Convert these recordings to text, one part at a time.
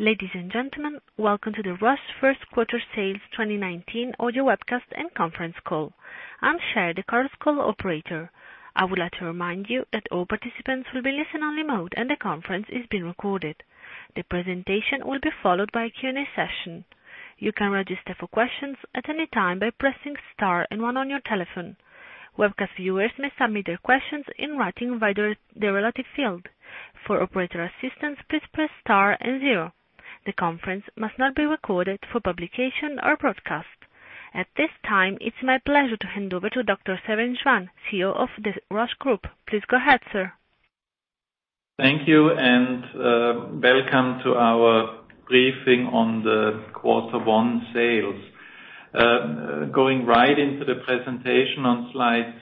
Ladies and gentlemen, welcome to the Roche first quarter sales 2019 audio webcast and conference call. I'm Sherry, the conference call operator. I would like to remind you that all participants will be in listen-only mode, and the conference is being recorded. The presentation will be followed by a Q&A session. You can register for questions at any time by pressing star and one on your telephone. Webcast viewers may submit their questions in writing via the relative field. For operator assistance, please press star and zero. The conference must not be recorded for publication or broadcast. At this time, it's my pleasure to hand over to Dr. Severin Schwan, CEO of the Roche Group. Please go ahead, sir. Thank you. Welcome to our briefing on the quarter one sales. Going right into the presentation on slide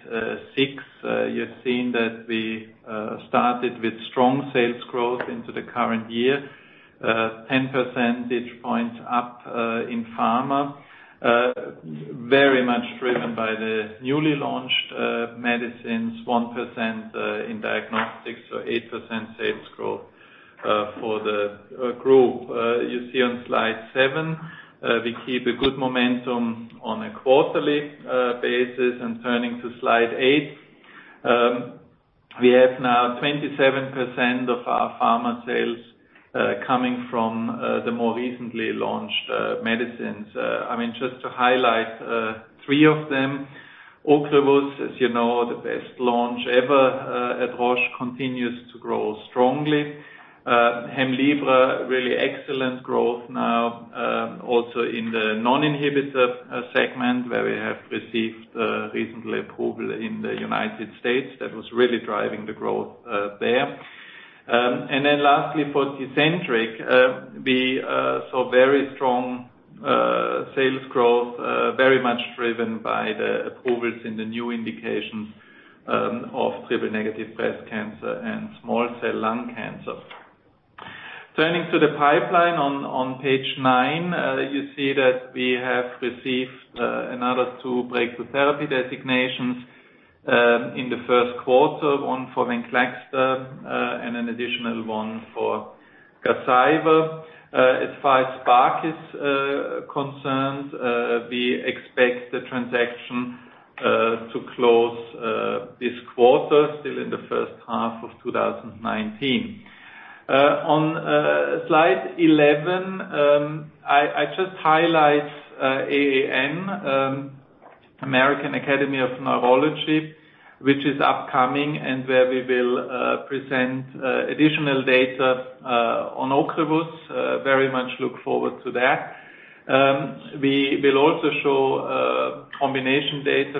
six, you're seeing that we started with strong sales growth into the current year, 10 percentage points up in pharma. Very much driven by the newly launched medicines, 1% in diagnostics, so 8% sales growth for the group. You see on slide seven, we keep a good momentum on a quarterly basis. Turning to slide eight, we have now 27% of our pharma sales coming from the more recently launched medicines. Just to highlight three of them. Ocrevus, as you know, the best launch ever at Roche, continues to grow strongly. HEMLIBRA, really excellent growth now also in the non-inhibitor segment, where we have received recent approval in the United States. That was really driving the growth there. Lastly, for TECENTRIQ, we saw very strong sales growth very much driven by the approvals in the new indications of triple-negative breast cancer and small-cell lung cancer. Turning to the pipeline on page nine, you see that we have received another two breakthrough therapy designations in the first quarter. One for VENCLEXTA and an additional one for Gazyva. As far as Spark is concerned, we expect the transaction to close this quarter, still in the first half of 2019. On slide 11, I just highlight AAN, American Academy of Neurology, which is upcoming and where we will present additional data on Ocrevus. Very much look forward to that. We will also show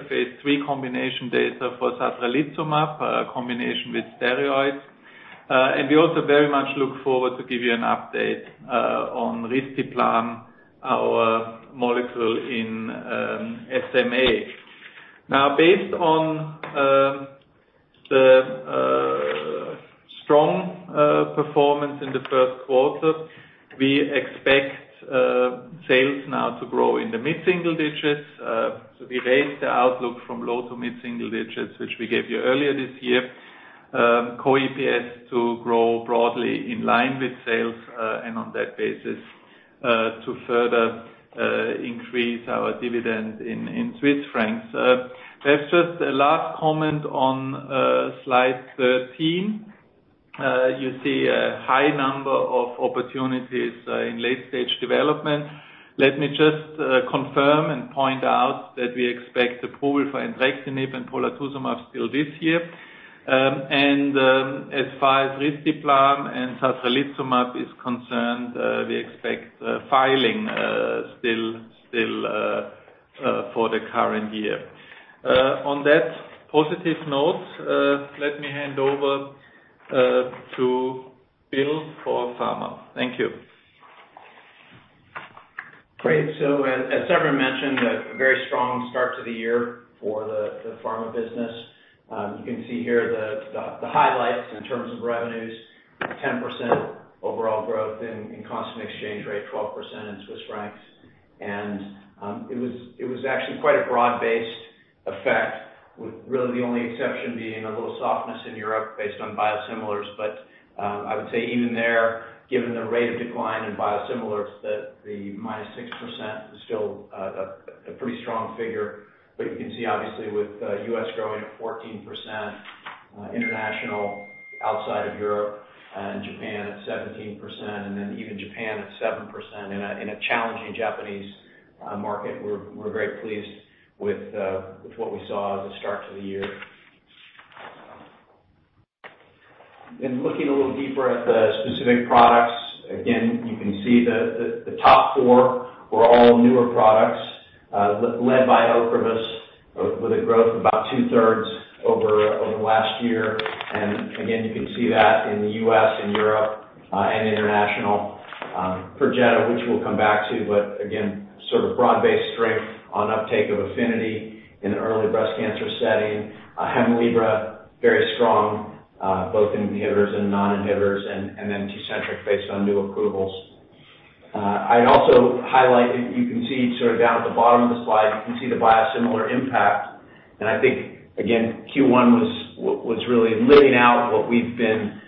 phase III combination data for satralizumab, a combination with steroids. We also very much look forward to give you an update on risdiplam, our molecule in SMA. Now, based on the strong performance in the first quarter, we expect sales now to grow in the mid-single digits. We raised the outlook from low to mid-single digits, which we gave you earlier this year. Core EPS to grow broadly in line with sales, and on that basis, to further increase our dividend in CHF. There's just a last comment on slide 13. You see a high number of opportunities in late-stage development. Let me just confirm and point out that we expect approval for entrectinib and polatuzumab still this year. As far as risdiplam and satralizumab is concerned, we expect filing still for the current year. On that positive note, let me hand over to Bill for pharma. Thank you. As Severin mentioned, a very strong start to the year for the pharma business. You can see here the highlights in terms of revenues, 10% overall growth in constant exchange rate, 12% in Swiss francs. It was actually quite a broad-based effect with really the only exception being a little softness in Europe based on biosimilars. I would say even there, given the rate of decline in biosimilars, that the -6% is still a pretty strong figure. You can see, obviously, with U.S. growing at 14%, international outside of Europe and Japan at 17%, and then even Japan at 7% in a challenging Japanese market. We're very pleased with what we saw at the start to the year. Looking a little deeper at the specific products, again, you can see the top four were all newer products led by Ocrevus with a growth of about two-thirds over last year. Again, you can see that in the U.S. and Europe and international. Perjeta, which we'll come back to, but again, sort of broad-based strength on uptake of APHINITY in early breast cancer setting. HEMLIBRA, very strong both in inhibitors and non-inhibitors, and then TECENTRIQ based on new approvals. I'd also highlight, you can see down at the bottom of the slide, you can see the biosimilar impact. I think, again, Q1 was really living out what we've been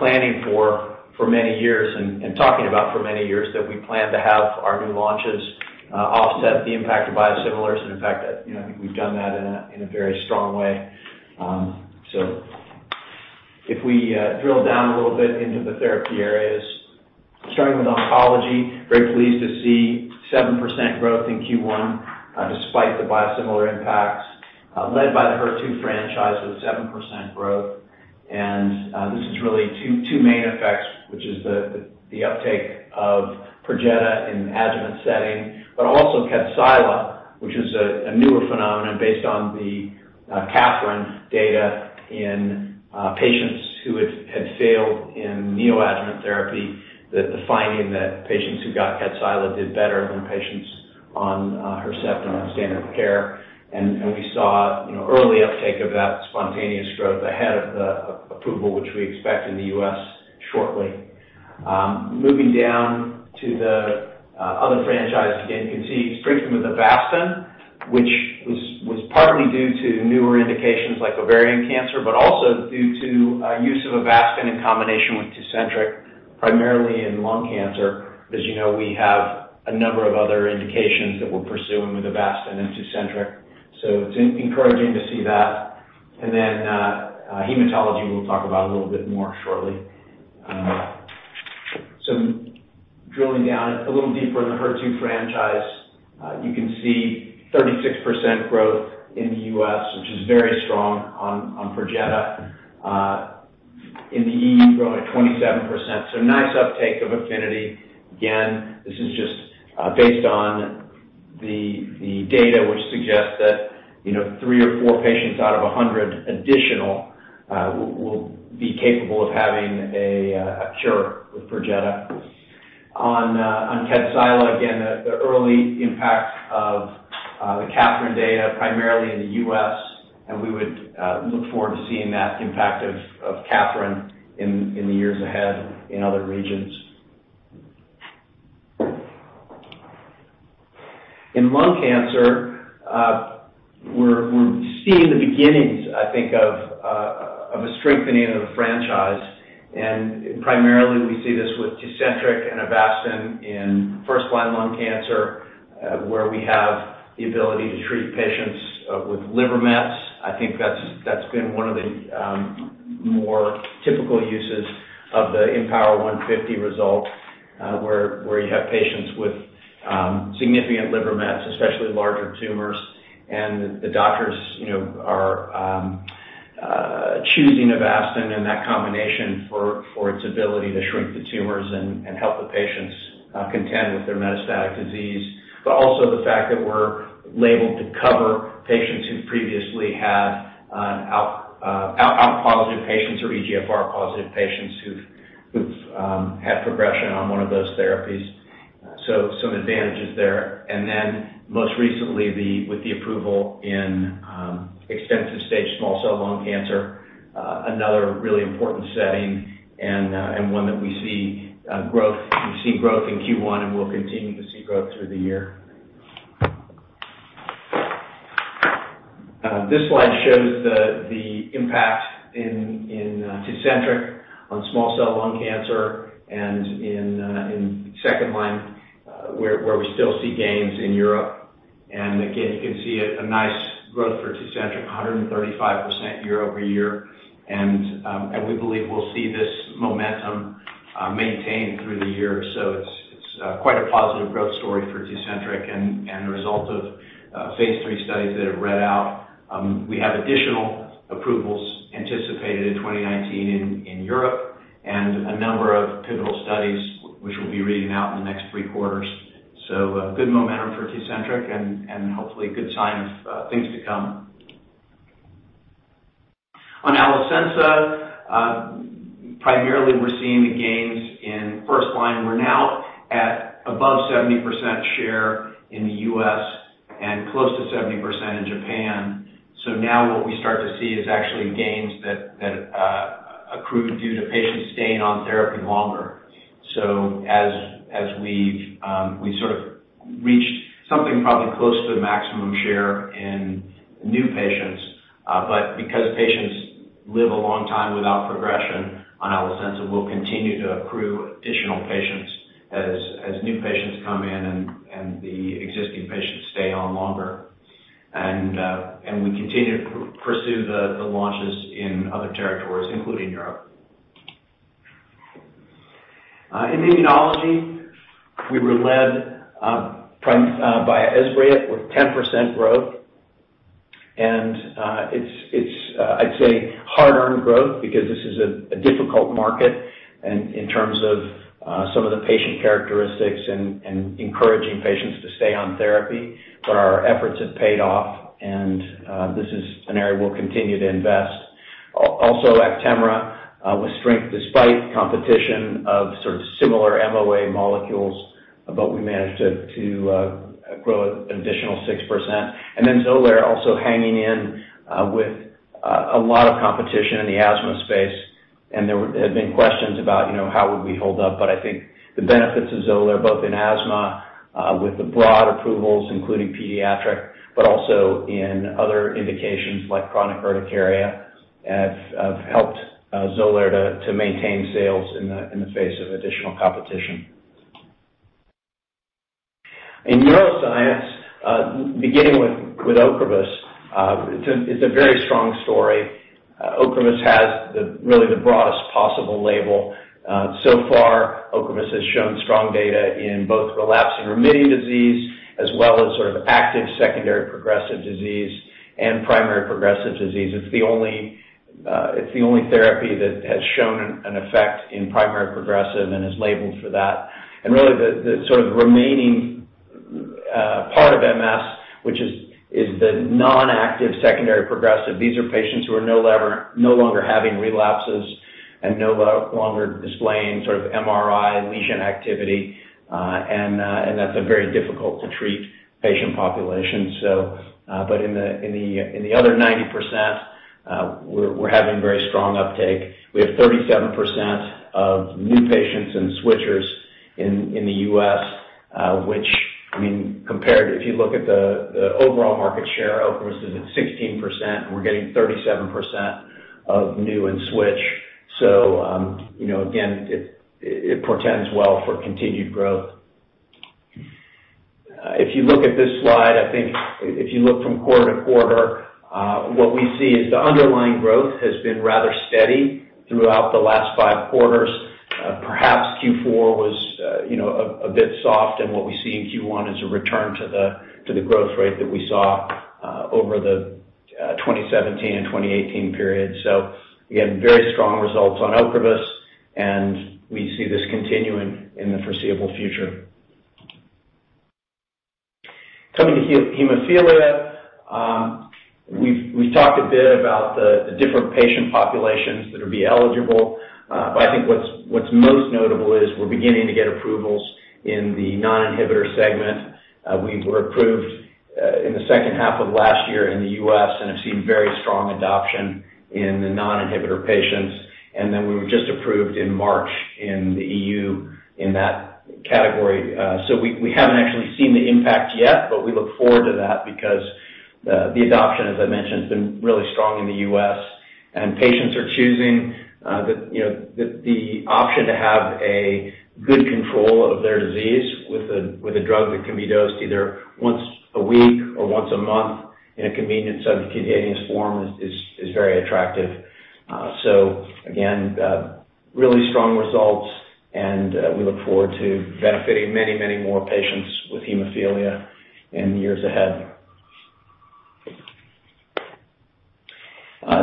planning for many years and talking about for many years, that we plan to have our new launches offset the impact of biosimilars. In fact, I think we've done that in a very strong way. If we drill down a little bit into the therapy areas, starting with oncology, very pleased to see 7% growth in Q1 despite the biosimilar impacts, led by the HER2 franchise with 7% growth. This is really two main effects, which is the uptake of Perjeta in the adjuvant setting, but also Kadcyla, which is a newer phenomenon based on the KATHERINE data in patients who had failed in neoadjuvant therapy, the finding that patients who got Kadcyla did better than patients on Herceptin and standard care. We saw early uptake of that spontaneous growth ahead of the approval, which we expect in the U.S. shortly. Moving down to the other franchise, again, you can see strength with Avastin, which was partly due to newer indications like ovarian cancer, but also due to use of Avastin in combination with TECENTRIQ, primarily in lung cancer. As you know, we have a number of other indications that we're pursuing with Avastin and TECENTRIQ. It's encouraging to see that. Then hematology, we'll talk about a little bit more shortly. Drilling down a little deeper in the HER2 franchise, you can see 36% growth in the U.S., which is very strong on Perjeta. In the EU, growing at 27%. Nice uptake of APHINITY. Again, this is just based on the data, which suggests that three or four patients out of 100 additional will be capable of having a cure with Perjeta. On Kadcyla, again, the early impacts of the KATHERINE data, primarily in the U.S., and we would look forward to seeing that impact of KATHERINE in the years ahead in other regions. In lung cancer, we're seeing the beginnings, I think, of a strengthening of the franchise. Primarily, we see this with TECENTRIQ and Avastin in first-line lung cancer, where we have the ability to treat patients with liver mets. I think that's been one of the more typical uses of the IMpower150 result, where you have patients with significant liver mets, especially larger tumors, and the doctors are choosing Avastin and that combination for its ability to shrink the tumors and help the patients contend with their metastatic disease. Also the fact that we're labeled to cover patients who previously had ALK-positive patients or EGFR-positive patients who've had progression on one of those therapies. Some advantages there. Most recently, with the approval in extensive stage small cell lung cancer, another really important setting and one that we see growth in Q1, and we'll continue to see growth through the year. This slide shows the impact in TECENTRIQ on small cell lung cancer and in second line, where we still see gains in Europe. Again, you can see a nice growth for TECENTRIQ, 135% year-over-year. We believe we'll see this momentum maintained through the year. It's quite a positive growth story for TECENTRIQ and the result of phase III studies that have read out. We have additional approvals anticipated in 2019 in Europe and a number of pivotal studies which will be reading out in the next three quarters. Good momentum for TECENTRIQ and hopefully a good sign of things to come. On Alecensa, primarily we're seeing the gains in first line. We're now at above 70% share in the U.S. and close to 70% in Japan. Now what we start to see is actually gains that accrued due to patients staying on therapy longer. As we've sort of reached something probably close to the maximum share in new patients. Because patients live a long time without progression on Alecensa, we'll continue to accrue additional patients as new patients come in and the existing patients stay on longer. We continue to pursue the launches in other territories, including Europe. In immunology, we were led by Esbriet with 10% growth. It's, I'd say, hard-earned growth because this is a difficult market in terms of some of the patient characteristics and encouraging patients to stay on therapy. Our efforts have paid off, and this is an area we'll continue to invest. Also Actemra with strength despite competition of sort of similar MOA molecules, but we managed to grow an additional 6%. Xolair also hanging in with a lot of competition in the asthma space, and there have been questions about how would we hold up, but I think the benefits of Xolair, both in asthma with the broad approvals, including pediatric, but also in other indications like chronic urticaria, have helped Xolair to maintain sales in the face of additional competition. In neuroscience, beginning with Ocrevus, it's a very strong story. Ocrevus has really the broadest possible label. Far, Ocrevus has shown strong data in both relapsing remitting disease, as well as active secondary progressive disease and primary progressive disease. It's the only therapy that has shown an effect in primary progressive and is labeled for that. Really, the remaining part of MS, which is the non-active secondary progressive. These are patients who are no longer having relapses and no longer displaying MRI lesion activity. That's a very difficult to treat patient population. In the other 90%, we're having very strong uptake. We have 37% of new patients and switchers in the U.S., which, compared, if you look at the overall market share, Ocrevus is at 16%, and we're getting 37% of new and switch. Again, it portends well for continued growth. If you look at this slide, I think if you look from quarter to quarter, what we see is the underlying growth has been rather steady throughout the last five quarters. Perhaps Q4 was a bit soft, and what we see in Q1 is a return to the growth rate that we saw over the 2017 and 2018 period. Again, very strong results on Ocrevus, and we see this continuing in the foreseeable future. Coming to hemophilia. We've talked a bit about the different patient populations that'll be eligible. I think what's most notable is we're beginning to get approvals in the non-inhibitor segment. We were approved in the second half of last year in the U.S. and have seen very strong adoption in the non-inhibitor patients. Then we were just approved in March in the EU in that category. We haven't actually seen the impact yet, but we look forward to that because the adoption, as I mentioned, has been really strong in the U.S. Patients are choosing the option to have a good control of their disease with a drug that can be dosed either once a week or once a month in a convenient subcutaneous form is very attractive. Again, really strong results and we look forward to benefiting many, many more patients with hemophilia in the years ahead.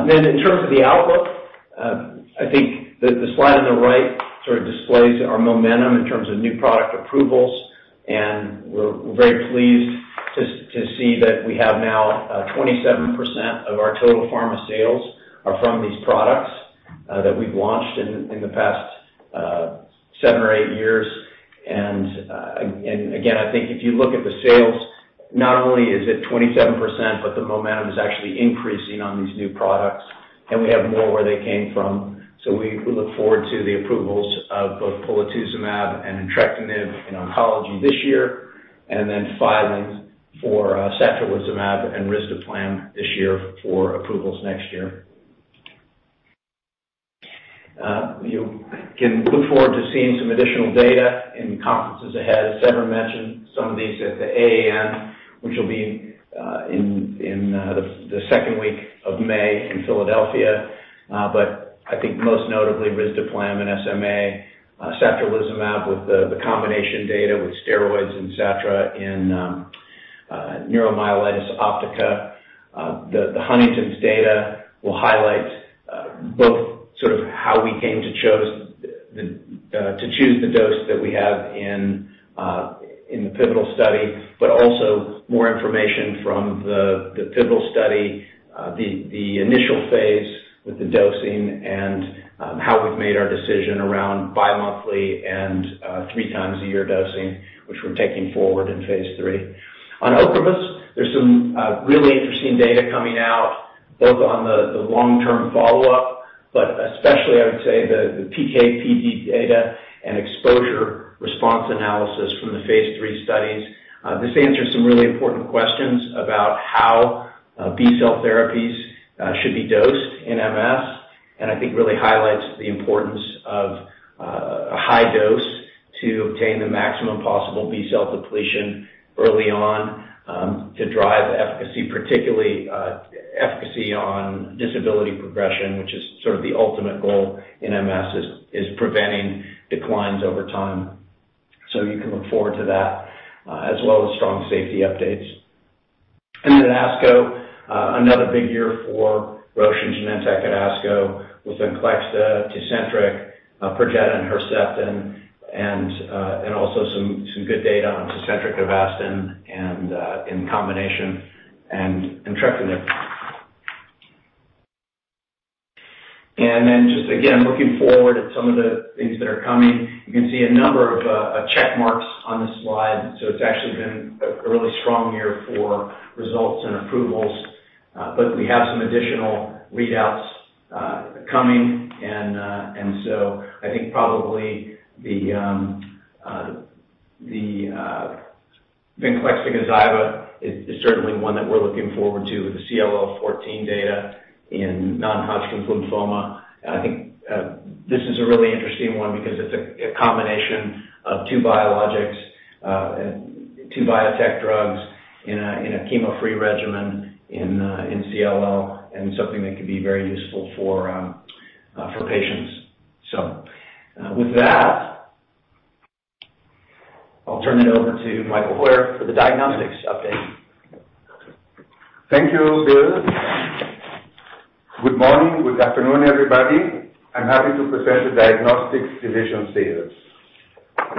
In terms of the outlook, I think the slide on the right displays our momentum in terms of new product approvals. We're very pleased to see that we have now 27% of our total pharma sales are from these products that we've launched in the past seven or eight years. Again, I think if you look at the sales, not only is it 27%, but the momentum is actually increasing on these new products, and we have more where they came from. We look forward to the approvals of both polatuzumab and entrectinib in oncology this year, then filings for satralizumab and risdiplam this year for approvals next year. You can look forward to seeing some additional data in conferences ahead. As Severin mentioned, some of these at the AAN, which will be in the second week of May in Philadelphia. I think most notably, risdiplam and SMA, satralizumab with the combination data with steroids and satra in neuromyelitis optica. The Huntington's data will highlight both how we came to choose the dose that we have in the pivotal study, but also more information from the pivotal study, the initial phase with the dosing and how we've made our decision around bi-monthly and three times a year dosing, which we're taking forward in phase III. On Ocrevus, there's some really interesting data coming out, both on the long-term follow-up, but especially, I would say, the PK/PD data and exposure response analysis from the phase III studies. This answers some really important questions about how B-cell therapies should be dosed in MS, and I think really highlights the importance of a high dose to obtain the maximum possible B-cell depletion early on to drive efficacy, particularly efficacy on disability progression, which is sort of the ultimate goal in MS, is preventing declines over time. You can look forward to that, as well as strong safety updates. ASCO, another big year for Roche and Genentech at ASCO with VENCLEXTA, TECENTRIQ, Perjeta and Herceptin, and also some good data on TECENTRIQ, Avastin in combination and entrectinib. Just again, looking forward at some of the things that are coming. You can see a number of checkmarks on this slide. So it's actually been a really strong year for results and approvals, but we have some additional readouts coming. I think probably the Venclexta-Gazyva is certainly one that we're looking forward to, the CLL 14 data in non-Hodgkin lymphoma. I think this is a really interesting one because it's a combination of two biologics, two biotech drugs in a chemo-free regimen in CLL and something that could be very useful for patients. With that, I'll turn it over to Michael Heuer for the diagnostics update. Thank you, Bill. Good morning. Good afternoon, everybody. I'm happy to present the diagnostics division sales.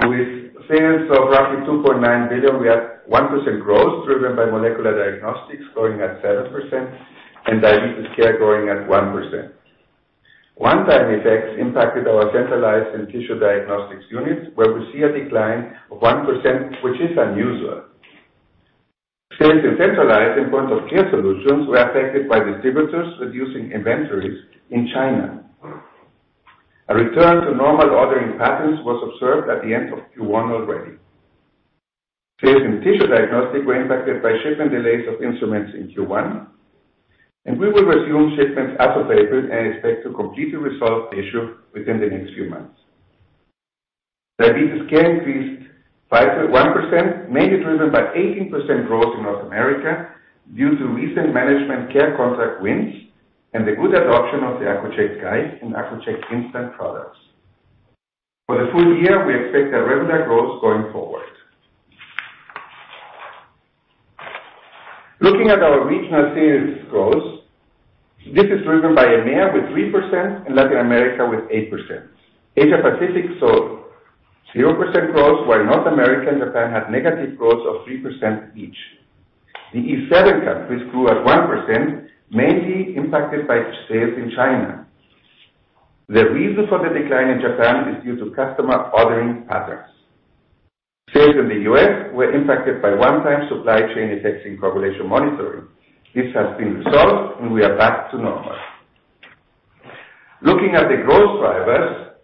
With sales of roughly 2.9 billion, we had 1% growth driven by molecular diagnostics growing at 7% and diabetes care growing at 1%. One-time effects impacted our centralized and Tissue Diagnostics units, where we see a decline of 1%, which is unusual. Sales in centralized and point-of-care solutions were affected by distributors reducing inventories in China. A return to normal ordering patterns was observed at the end of Q1 already. Sales in Tissue Diagnostics were impacted by shipment delays of instruments in Q1, and we will resume shipments as available and expect to completely resolve the issue within the next few months. Diabetes care increased by 1%, mainly driven by 18% growth in North America due to recent management care contract wins and the good adoption of the Accu-Chek Guide and Accu-Chek Instant products. For the full year, we expect a regular growth going forward. Looking at our regional sales growth, this is driven by EMEA with 3% and Latin America with 8%. Asia Pacific saw 0% growth, while North America and Japan had negative growth of 3% each. The E7 countries grew at 1%, mainly impacted by sales in China. The reason for the decline in Japan is due to customer ordering patterns. Sales in the U.S. were impacted by one-time supply chain effects in coagulation monitoring. This has been resolved, and we are back to normal. Looking at the growth drivers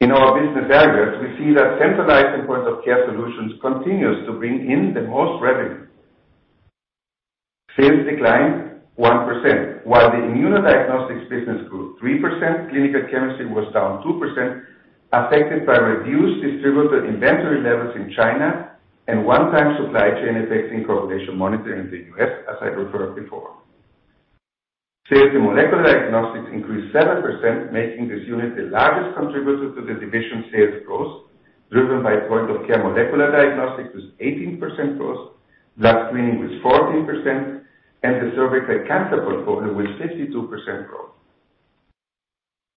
in our business areas, we see that centralized and point-of-care solutions continues to bring in the most revenue. Sales declined 1%, while the immunodiagnostics business grew 3%. Clinical chemistry was down 2%, affected by reduced distributor inventory levels in China and one-time supply chain effects in coagulation monitoring in the U.S., as I referred before. Sales in molecular diagnostics increased 7%, making this unit the largest contributor to the division sales growth, driven by point-of-care molecular diagnostics with 18% growth, blood screening with 14%, and the cervical cancer portfolio with 52% growth.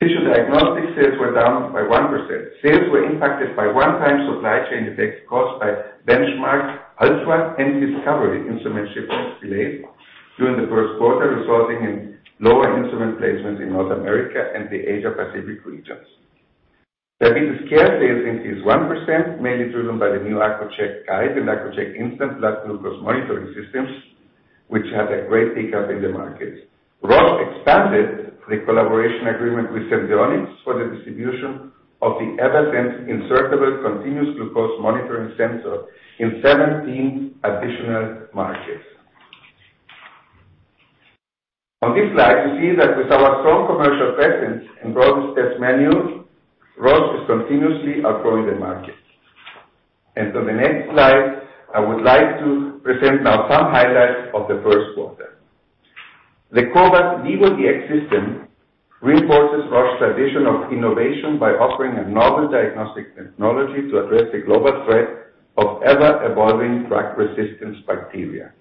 Tissue Diagnostic sales were down by 1%. Sales were impacted by one-time supply chain effects caused by BenchMark ULTRA and DISCOVERY ULTRA instrument shipments delayed during the first quarter, resulting in lower instrument placements in North America and the Asia Pacific regions. Diabetes care sales increased 1%, mainly driven by the new Accu-Chek Guide and Accu-Chek Instant blood glucose monitoring systems, which had a great pickup in the market. Roche expanded the collaboration agreement with Senseonics for the distribution of the Eversense insertable continuous glucose monitoring sensor in 17 additional markets. On this slide, we see that with our strong commercial presence in broad test menus, Roche is continuously outgrowing the market. On the next slide, I would like to present now some highlights of the first quarter. The cobas vivoDx System reinforces Roche's tradition of innovation by offering a novel diagnostic technology to address the global threat of ever-evolving drug-resistant bacteria.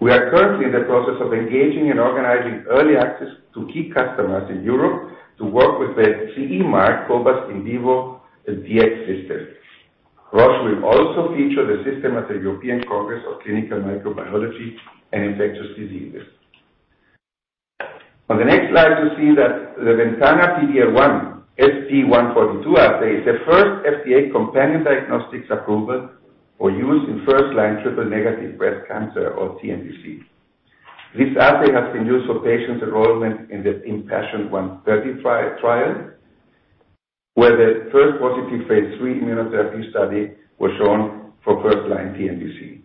We are currently in the process of engaging and organizing early access to key customers in Europe to work with the CE mark cobas vivoDx System. Roche will also feature the system at the European Congress of Clinical Microbiology and Infectious Diseases. On the next slide, we see that the VENTANA PD-L1 (SP142) Assay is the first FDA companion diagnostics approval for use in first-line triple-negative breast cancer or TNBC. This assay has been used for patient enrollment in the IMpassion130 trial, where the first positive phase III immunotherapy study was shown for first-line TNBC.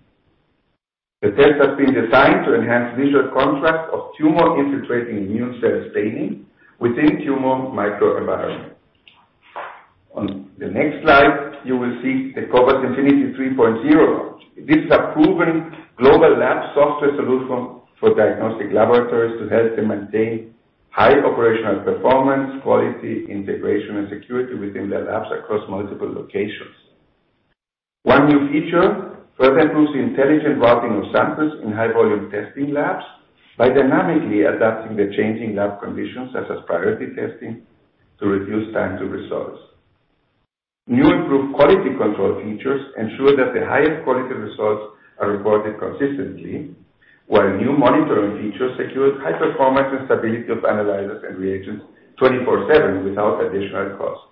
The test has been designed to enhance visual contrast of tumor-infiltrating immune cell staining within tumor microenvironment. On the next slide, you will see the cobas Infinity 3.0 launch. This is a proven global lab software solution for diagnostic laboratories to help them maintain high operational performance, quality, integration, and security within their labs across multiple locations. One new feature further improves the intelligent routing of samples in high-volume testing labs by dynamically adapting the changing lab conditions, such as priority testing, to reduce time to results. New improved quality control features ensure that the highest quality results are reported consistently, while new monitoring features secure high performance and stability of analyzers and reagents 24/7 without additional cost.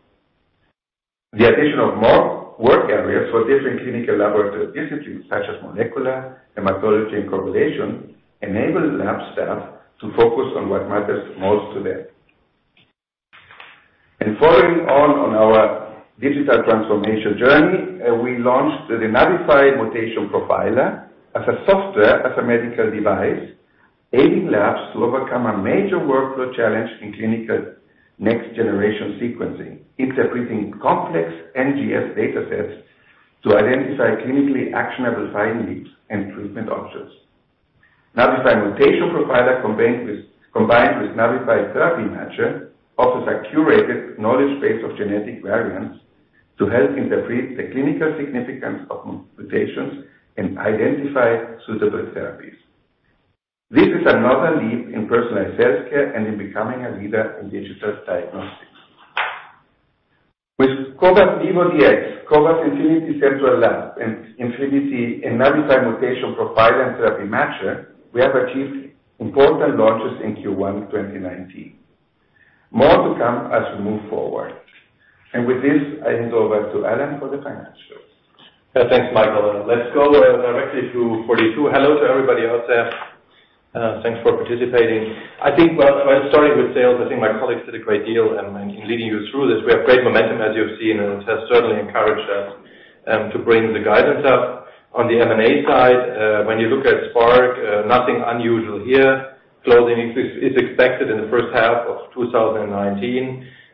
The addition of more work areas for different clinical laboratory disciplines such as molecular, hematology, and coagulation enable lab staff to focus on what matters most to them. Following on our digital transformation journey, we launched the NAVIFY Mutation Profiler as a software, as a medical device, aiding labs to overcome a major workflow challenge in clinical next generation sequencing, interpreting complex NGS data sets to identify clinically actionable findings and treatment options. NAVIFY Mutation Profiler combined with NAVIFY Therapy Matcher, offers a curated knowledge base of genetic variants to help interpret the clinical significance of mutations and identify suitable therapies. This is another leap in personalized healthcare and in becoming a leader in digital diagnostics. With cobas vivoDx, cobas infinity central lab, and Infinity and NAVIFY Mutation Profiler and NAVIFY Therapy Matcher, we have achieved important launches in Q1 2019. More to come as we move forward. With this, I hand over to Alan for the financials. Thanks, Michael. Let's go directly to 42. Hello to everybody out there. Thanks for participating. I think, well, starting with sales, I think my colleagues did a great deal in leading you through this. We have great momentum as you have seen, and it has certainly encouraged us to bring the guidance up. On the M&A side, when you look at Spark, nothing unusual here. Closing is expected in the first half of 2019.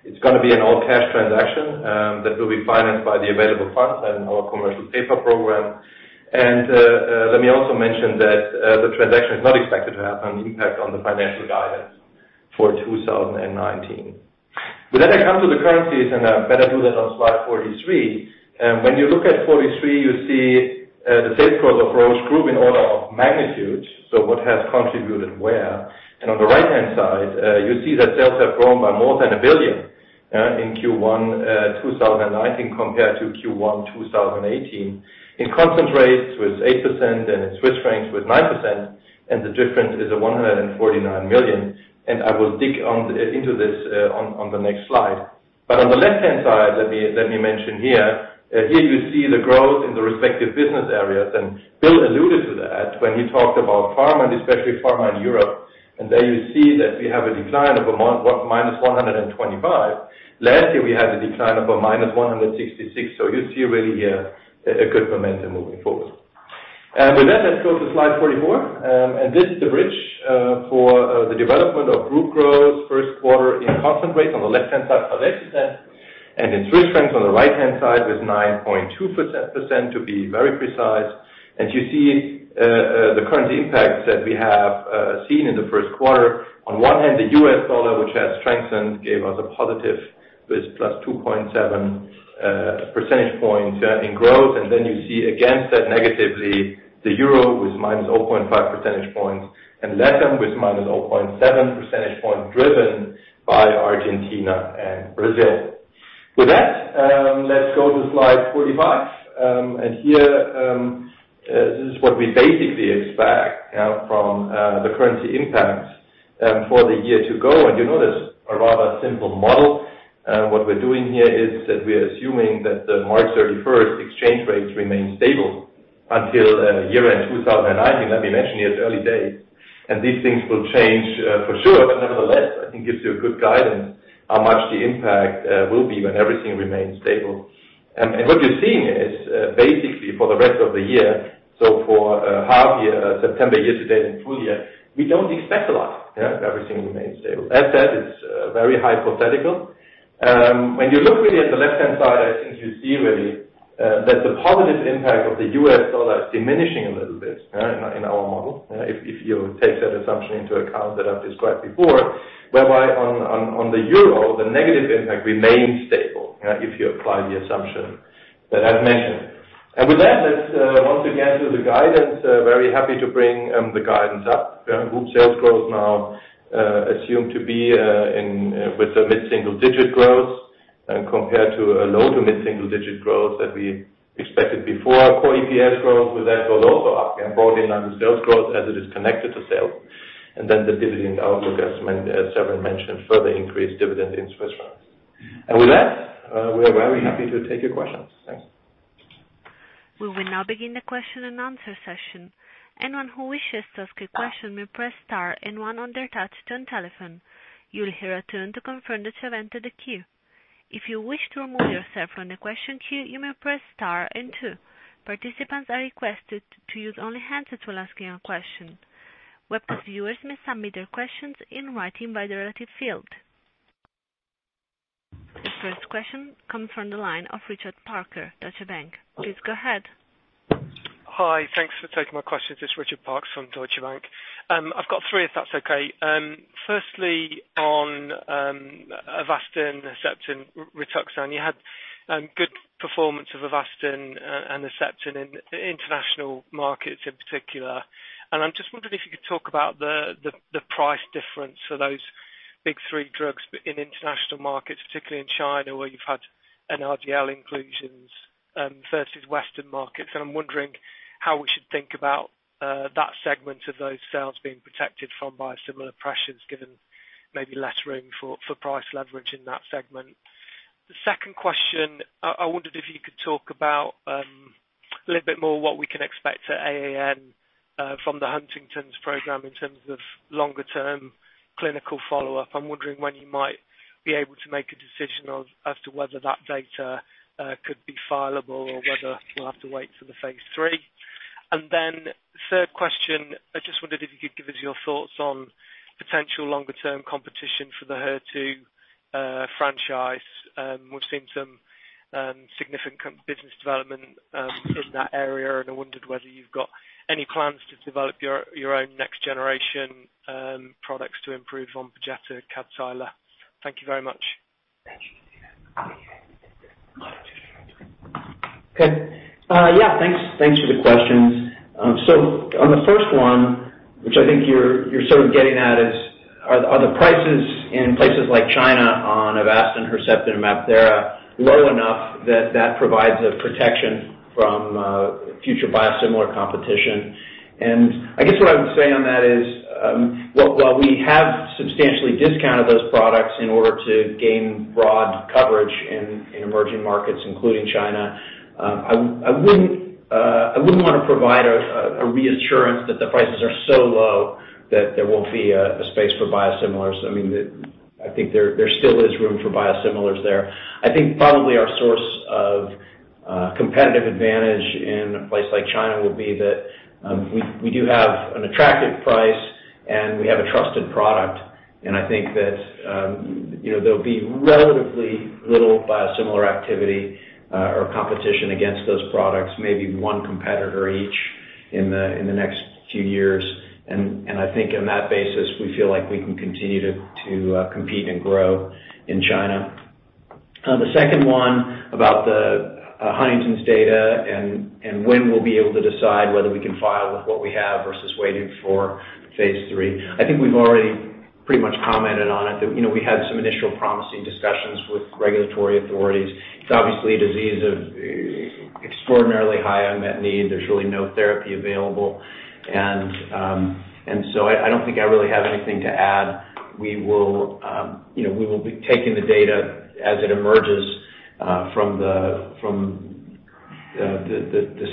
It's going to be an all-cash transaction that will be financed by the available funds and our commercial paper program. Let me also mention that the transaction is not expected to have an impact on the financial guidance for 2019. With that, I come to the currencies and I better do that on slide 43. When you look at 43, you see the sales growth approach grew in order of magnitude, so what has contributed where. On the right-hand side, you see that sales have grown by more than 1 billion in Q1 2019 compared to Q1 2018. In constant rates with 8% and in CHF with 9%, the difference is 149 million. I will dig into this on the next slide. On the left-hand side, let me mention here you see the growth in the respective business areas. Bill alluded to that when he talked about pharma and especially pharma in Europe. There you see that we have a decline of -125. Last year, we had a decline of -166. You see really here a good momentum moving forward. With that, let's go to slide 44. This is the bridge for the development of group growth first quarter in constant rates on the left-hand side of 8%. In CHF on the right-hand side with 9.2% to be very precise. As you see, the currency impacts that we have seen in the first quarter, on one hand, the USD, which has strengthened, gave us a positive with +2.7 percentage points in growth. Then you see against that negatively the EUR with -0.5 percentage points and LATAM with -0.7 percentage points driven by Argentina and Brazil. With that, let's go to slide 45. Here, this is what we basically expect from the currency impact for the year to go. You know this, a rather simple model. What we're doing here is that we are assuming that the March 31st exchange rates remain stable until year-end 2019. Let me mention here it's early days, and these things will change for sure. But nevertheless, I think gives you good guidance how much the impact will be when everything remains stable. What you're seeing is basically for the rest of the year, so for half year, September year to date and full year, we don't expect a lot. Everything remains stable. As said, it's very hypothetical. You look really at the left-hand side, I think you see really that the positive impact of the U.S. dollar is diminishing a little bit in our model if you take that assumption into account that I've described before. On the euro, the negative impact remains stable if you apply the assumption that I've mentioned. With that, let's once again do the guidance. Very happy to bring the guidance up. Group sales growth now assumed to be with a mid-single-digit growth compared to a low to mid-single-digit growth that we expected before. Core EPS growth with that goes also up and broadly in line with sales growth as it is connected to sales. The dividend outlook, as Severin mentioned, further increased dividend in Swiss francs. With that, we are very happy to take your questions. Thanks. We will now begin the question and answer session. Anyone who wishes to ask a question may press star and one on their touch-tone telephone. You will hear a tone to confirm that you have entered the queue. If you wish to remove yourself from the question queue, you may press star and two. Participants are requested to use only hands to asking a question. Webcast viewers may submit their questions in writing by the relative field. The first question comes from the line of Richard Parkes, Deutsche Bank. Please go ahead. Hi. Thanks for taking my questions. It's Richard Parkes from Deutsche Bank. I've got three if that's okay. Firstly, on Avastin, Herceptin, Rituxan. You had good performance of Avastin and Herceptin in international markets in particular. I'm just wondering if you could talk about the price difference for those Big three drugs in international markets, particularly in China, where you've had an NRDL inclusions versus Western markets. I'm wondering how we should think about that segment of those sales being protected from biosimilar pressures, given maybe less room for price leverage in that segment. The second question, I wondered if you could talk about a little bit more what we can expect at AAN from the Huntington's program in terms of longer-term clinical follow-up. I'm wondering when you might be able to make a decision as to whether that data could be fileable or whether we'll have to wait till the phase III. Third question, I just wondered if you could give us your thoughts on potential longer-term competition for the HER2 franchise. We've seen some significant business development in that area, and I wondered whether you've got any plans to develop your own next generation products to improve Perjeta and Kadcyla. Thank you very much. Thank you. Good. Yeah, thanks for the questions. On the first one, which I think you're sort of getting at is, are the prices in places like China on Avastin, Herceptin, and MabThera low enough that that provides a protection from future biosimilar competition? I guess what I would say on that is, while we have substantially discounted those products in order to gain broad coverage in emerging markets, including China, I wouldn't want to provide a reassurance that the prices are so low that there won't be a space for biosimilars. I think there still is room for biosimilars there. I think probably our source of competitive advantage in a place like China will be that we do have an attractive price, and we have a trusted product. I think that there'll be relatively little biosimilar activity or competition against those products, maybe one competitor each in the next few years. I think on that basis, we feel like we can continue to compete and grow in China. The second one about the Huntington's data and when we'll be able to decide whether we can file with what we have versus waiting for phase III. I think we've already pretty much commented on it, that we had some initial promising discussions with regulatory authorities. It's obviously a disease of extraordinarily high unmet need. There's really no therapy available. I don't think I really have anything to add. We will be taking the data as it emerges from the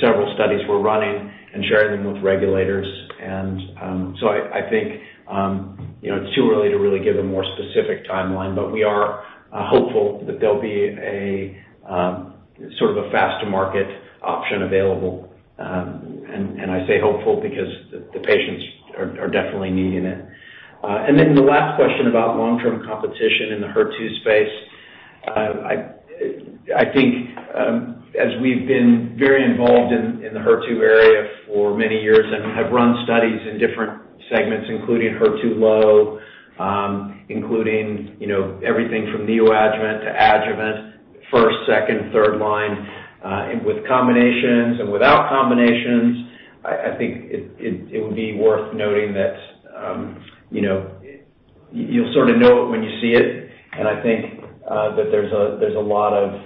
several studies we're running and sharing them with regulators. I think it's too early to really give a more specific timeline, but we are hopeful that there'll be a sort of a faster market option available. I say hopeful because the patients are definitely needing it. The last question about long-term competition in the HER2 space. I think as we've been very involved in the HER2 area for many years and have run studies in different segments, including HER2 low, including everything from neoadjuvant to adjuvant, first, second, third line, and with combinations and without combinations, I think it would be worth noting that you'll sort of know it when you see it. I think that there's a lot of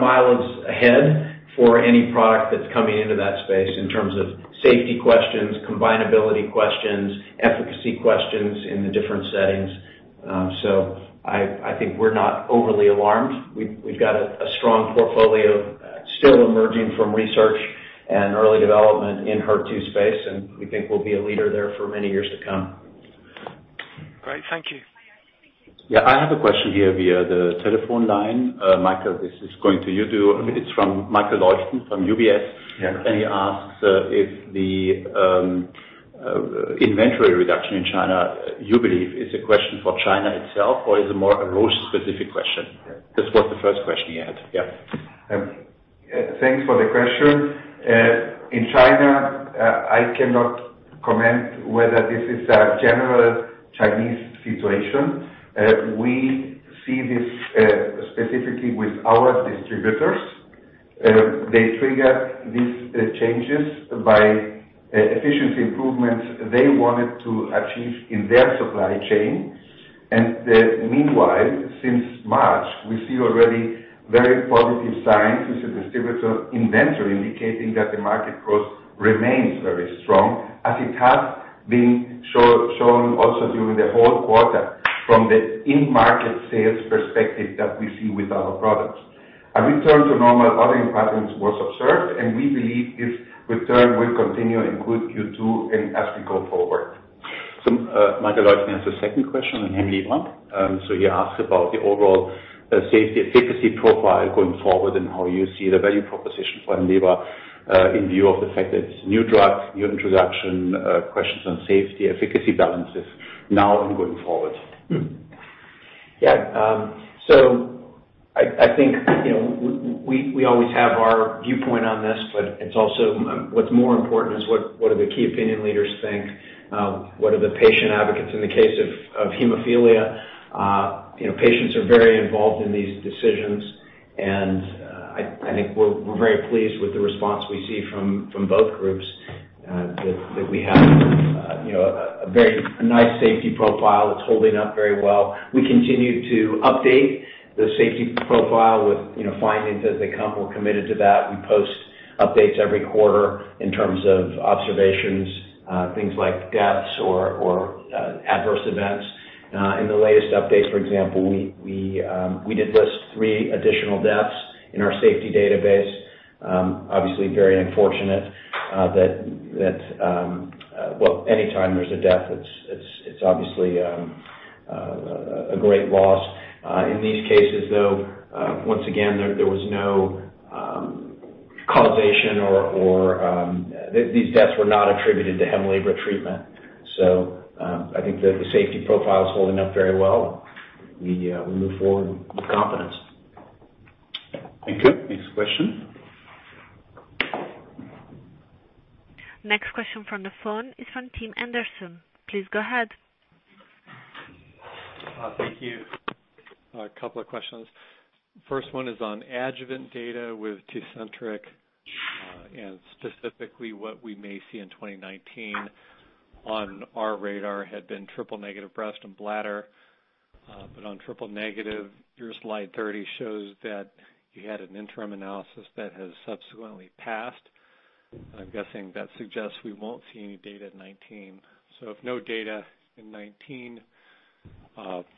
mileage ahead for any product that's coming into that space in terms of safety questions, combinability questions, efficacy questions in the different settings. I think we're not overly alarmed. We've got a strong portfolio still emerging from research and early development in HER2 space, and we think we'll be a leader there for many years to come. Great. Thank you. I have a question here via the telephone line. Michael, this is going to you too. It's from Michael Leuchten from UBS. Yes. He asks if the inventory reduction in China, you believe, is a question for China itself or is it more a Roche-specific question? This was the first question he had. Thanks for the question. In China, I cannot comment whether this is a general Chinese situation. We see this specifically with our distributors. They trigger these changes by efficiency improvements they wanted to achieve in their supply chain. Meanwhile, since March, we see already very positive signs in the distributor inventory indicating that the market growth remains very strong as it has been shown also during the whole quarter from the in-market sales perspective that we see with our products. A return to normal ordering patterns was observed, and we believe this return will continue in Q2 and as we go forward. Michael Leuchten has a second question on HEMLIBRA. He asks about the overall safety-efficacy profile going forward and how you see the value proposition for HEMLIBRA in view of the fact that it's new drug, new introduction, questions on safety-efficacy balances now and going forward. I think we always have our viewpoint on this, but what's more important is what do the key opinion leaders think? What are the patient advocates? In the case of hemophilia, patients are very involved in these decisions. And I think we're very pleased with the response we see from both groups, that we have a very nice safety profile that's holding up very well. We continue to update the safety profile with findings as they come. We're committed to that. We post updates every quarter in terms of observations, things like deaths or adverse events. In the latest update, for example, we did list three additional deaths in our safety database. Obviously, very unfortunate. Well, anytime there's a death, it's obviously a great loss. In these cases, though, once again, there was no causation or these deaths were not attributed to HEMLIBRA treatment. I think the safety profile is holding up very well. We move forward with confidence. Thank you. Next question. Next question from the phone is from Tim Anderson. Please go ahead. Thank you. A couple of questions. First one is on adjuvant data with TECENTRIQ, and specifically what we may see in 2019. On our radar had been triple-negative breast and bladder. On triple negative, your slide 30 shows that you had an interim analysis that has subsequently passed. I'm guessing that suggests we won't see any data at 2019. If no data in 2019,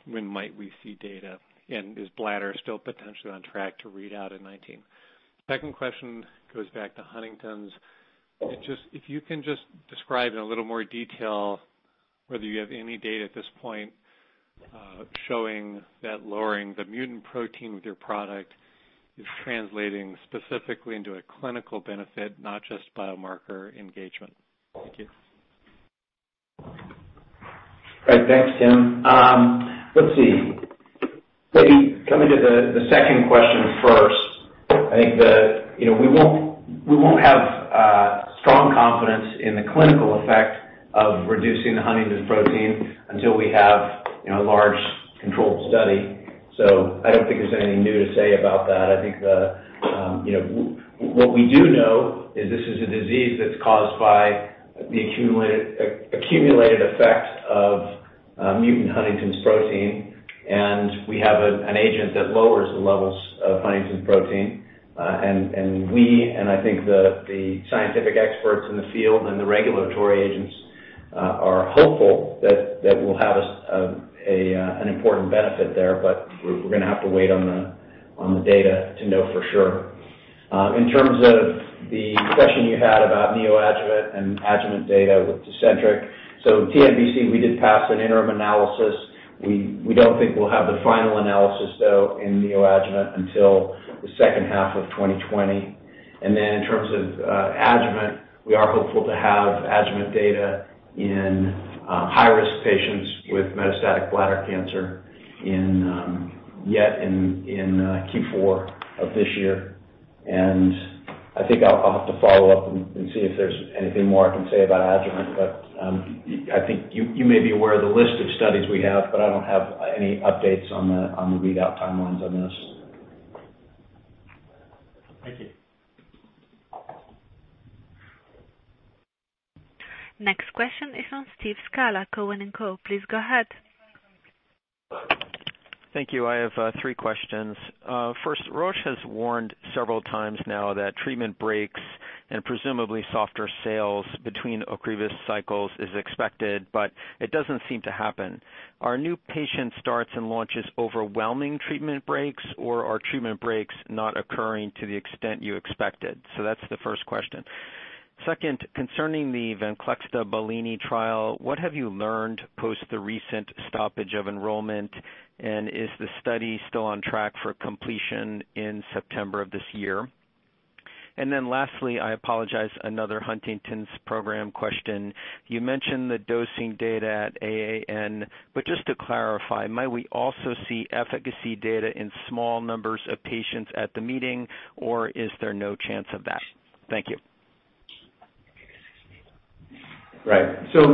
when might we see data? Is bladder still potentially on track to read out in 2019? Second question goes back to Huntington's. If you can just describe in a little more detail whether you have any data at this point showing that lowering the mutant protein with your product is translating specifically into a clinical benefit, not just biomarker engagement. Thank you. Great. Thanks, Tim Anderson. Let's see. Maybe coming to the second question first. I think that we won't have strong confidence in the clinical effect of reducing the Huntington's protein until we have a large controlled study. I don't think there's anything new to say about that. I think what we do know is this is a disease that's caused by the accumulated effect of mutant Huntington's protein, and we have an agent that lowers the levels of Huntington's protein. We, and I think the scientific experts in the field and the regulatory agents, are hopeful that we'll have an important benefit there, but we're going to have to wait on the data to know for sure. In terms of the question you had about neoadjuvant and adjuvant data with TECENTRIQ, in TNBC, we did pass an interim analysis. We don't think we'll have the final analysis, though, in neoadjuvant until the second half of 2020. In terms of adjuvant, we are hopeful to have adjuvant data in high-risk patients with metastatic bladder cancer yet in Q4 of this year, I think I'll have to follow up and see if there's anything more I can say about adjuvant. I think you may be aware of the list of studies we have, but I don't have any updates on the readout timelines on this. Thank you. Next question is from Steve Scala, Cowen and Co. Please go ahead. Thank you. I have three questions. First, Roche has warned several times now that treatment breaks and presumably softer sales between Ocrevus cycles is expected, but it doesn't seem to happen. Are new patient starts and launches overwhelming treatment breaks, or are treatment breaks not occurring to the extent you expected? That's the first question. Second, concerning the Venclexta BELLINI trial, what have you learned post the recent stoppage of enrollment, and is the study still on track for completion in September of this year? Lastly, I apologize, another Huntington's program question. You mentioned the dosing data at AAN, but just to clarify, might we also see efficacy data in small numbers of patients at the meeting, or is there no chance of that? Thank you. Right.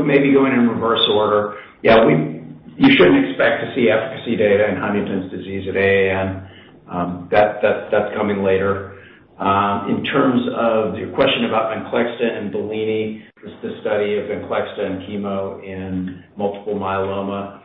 Maybe going in reverse order. Yeah, you shouldn't expect to see efficacy data in Huntington's disease at AAN. That's coming later. In terms of the question about Venclexta and BELLINI, the study of Venclexta and chemo in multiple myeloma.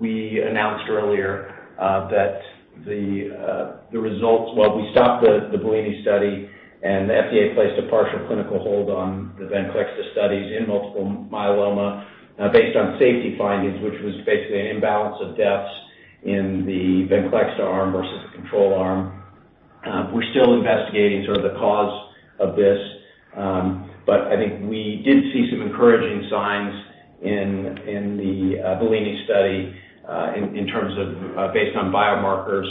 We announced earlier that the results we stopped the BELLINI study and the FDA placed a partial clinical hold on the Venclexta studies in multiple myeloma based on safety findings, which was basically an imbalance of deaths in the Venclexta arm versus the control arm. We're still investigating sort of the cause of this, but I think we did see some encouraging signs in the BELLINI study in terms of based on biomarkers,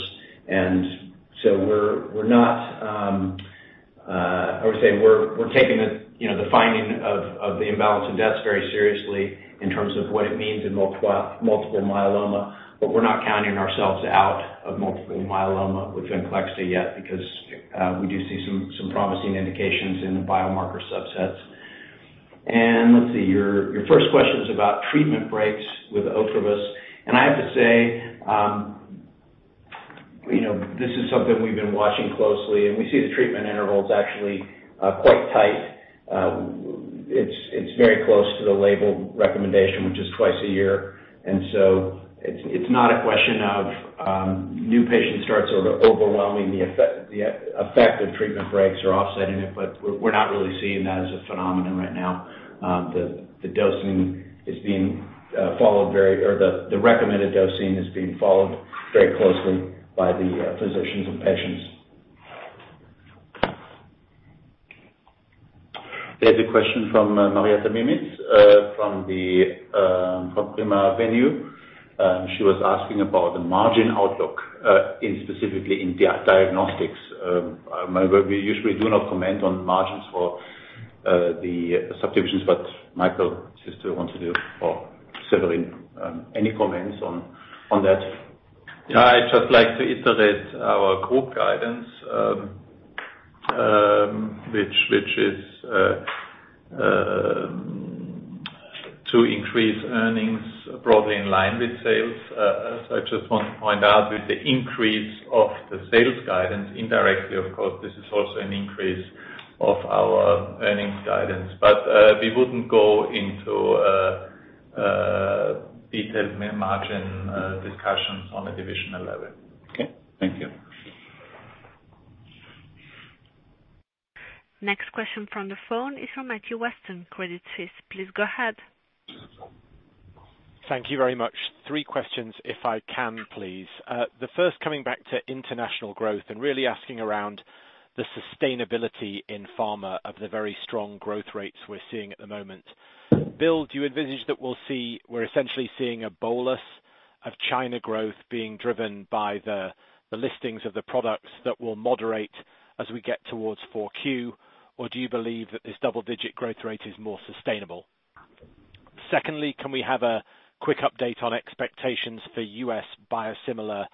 we're taking the finding of the imbalance of deaths very seriously in terms of what it means in multiple myeloma. We're not counting ourselves out of multiple myeloma with Venclexta yet because we do see some promising indications in the biomarker subsets. Let's see, your first question is about treatment breaks with Ocrevus. I have to say, this is something we've been watching closely, and we see the treatment intervals actually quite tight. It's very close to the label recommendation, which is twice a year. It's not a question of new patient starts overwhelming the effect of treatment breaks or offsetting it, but we're not really seeing that as a phenomenon right now. The recommended dosing is being followed very closely by the physicians and patients. There's a question from Marietta Miemis from Primavenue. She was asking about the margin outlook specifically in diagnostics. We usually do not comment on margins for the subdivisions, but Michael, if you still want to do or Severin, any comments on that? I'd just like to iterate our group guidance, which is to increase earnings broadly in line with sales. I just want to point out with the increase of the sales guidance indirectly, of course, this is also an increase of our earnings guidance. We wouldn't go into detailed margin discussions on a divisional level. Okay. Thank you. Next question from the phone is from Matthew Weston, Credit Suisse. Please go ahead. Thank you very much. Three questions if I can, please. The first, coming back to international growth and really asking around the sustainability in pharma of the very strong growth rates we're seeing at the moment. Bill, do you envisage that we're essentially seeing a bolus of China growth being driven by the listings of the products that will moderate as we get towards 4Q? Do you believe that this double-digit growth rate is more sustainable? Secondly, can we have a quick update on expectations for U.S. biosimilar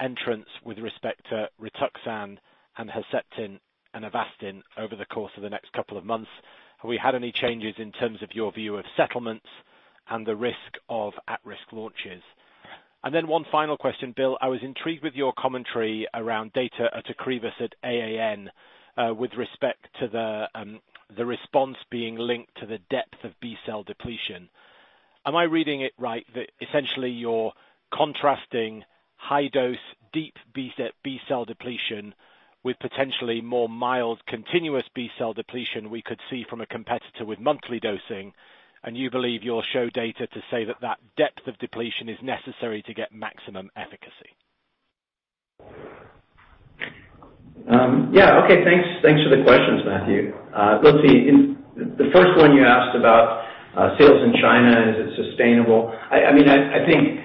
entrants with respect to Rituxan and Herceptin and Avastin over the course of the next couple of months? Have we had any changes in terms of your view of settlements and the risk of at-risk launches? One final question, Bill. I was intrigued with your commentary around data at Ocrevus at AAN with respect to the response being linked to the depth of B-cell depletion. Am I reading it right that essentially you're contrasting high dose, deep B-cell depletion with potentially more mild continuous B-cell depletion we could see from a competitor with monthly dosing, and you believe you'll show data to say that that depth of depletion is necessary to get maximum efficacy? Thanks for the questions, Matthew. Let's see. The first one you asked about sales in China, is it sustainable? I think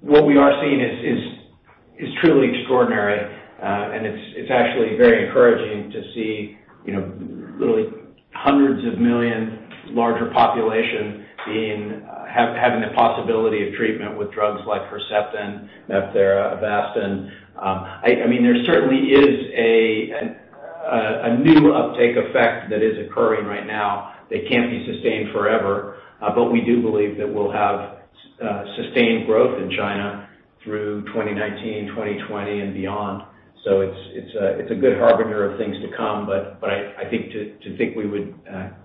what we are seeing is truly extraordinary, and it's actually very encouraging to see literally hundreds of million larger population having the possibility of treatment with drugs like Herceptin, MabThera, Avastin. There certainly is a new uptake effect that is occurring right now that can't be sustained forever. We do believe that we'll have sustained growth in China through 2019, 2020, and beyond. It's a good harbinger of things to come. To think we would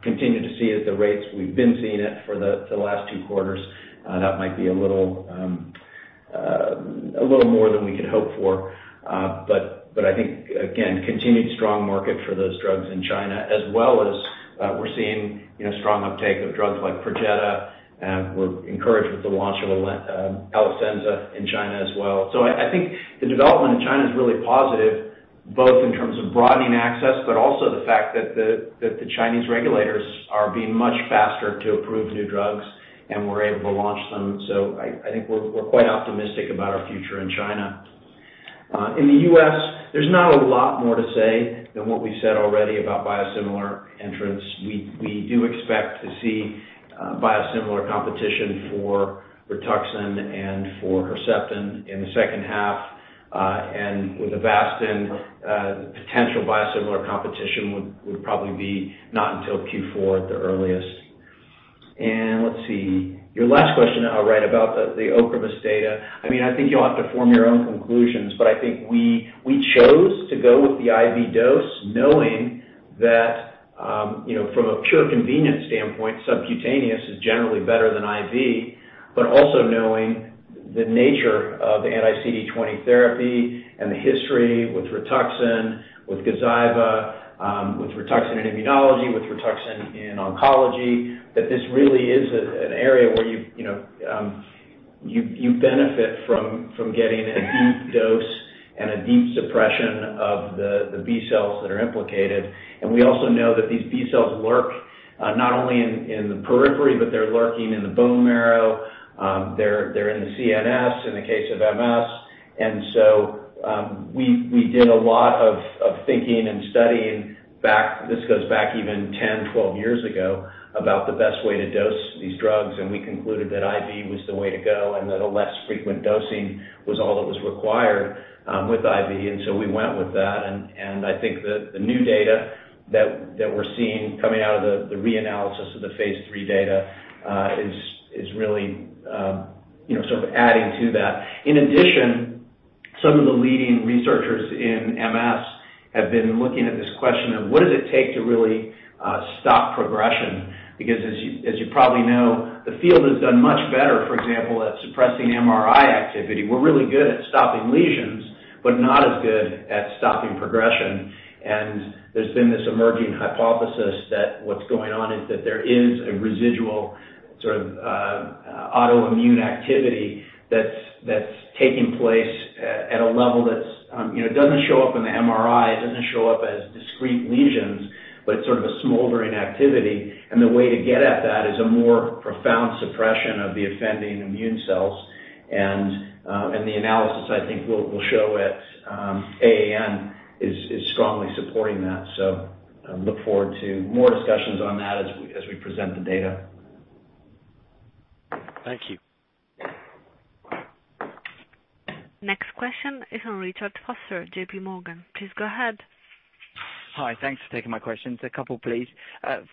continue to see it at the rates we've been seeing it for the last 2 quarters, that might be a little more than we could hope for. I think, again, continued strong market for those drugs in China as well as we're seeing strong uptake of drugs like Perjeta. We're encouraged with the launch of Alecensa in China as well. I think the development in China is really positive, both in terms of broadening access, also the fact that the Chinese regulators are being much faster to approve new drugs, and we're able to launch them. I think we're quite optimistic about our future in China. In the U.S., there's not a lot more to say than what we've said already about biosimilar entrants. We do expect to see biosimilar competition for Rituxan and for Herceptin in the second half. With Avastin, potential biosimilar competition would probably be not until Q4 at the earliest. Let's see, your last question, about the Ocrevus data. I think you'll have to form your own conclusions, I think we chose to go with the IV dose knowing that from a pure convenience standpoint, subcutaneous is generally better than IV. Also knowing the nature of the anti-CD20 therapy and the history with Rituxan, with Gazyva, with Rituxan in immunology, with Rituxan in oncology, that this really is an area where you benefit from getting a deep dose and a deep suppression of the B cells that are implicated. We also know that these B cells lurk not only in the periphery, they're lurking in the bone marrow. They're in the CNS in the case of MS. We did a lot of thinking and studying, this goes back even 10, 12 years ago, about the best way to dose these drugs, and we concluded that IV was the way to go, and that a less frequent dosing was all that was required with IV. We went with that, and I think the new data that we're seeing coming out of the reanalysis of the phase III data is really sort of adding to that. In addition, some of the leading researchers in MS have been looking at this question of what does it take to really stop progression? As you probably know, the field has done much better, for example, at suppressing MRI activity. We're really good at stopping lesions, but not as good at stopping progression. There's been this emerging hypothesis that what's going on is that there is a residual sort of autoimmune activity that's taking place at a level that doesn't show up in the MRI, it doesn't show up as discrete lesions, but it's sort of a smoldering activity. The way to get at that is a more profound suppression of the offending immune cells. The analysis, I think will show at AAN is strongly supporting that. I look forward to more discussions on that as we present the data. Thank you. Next question is from Richard Vosser, J.P. Morgan. Please go ahead. Hi. Thanks for taking my questions. A couple, please.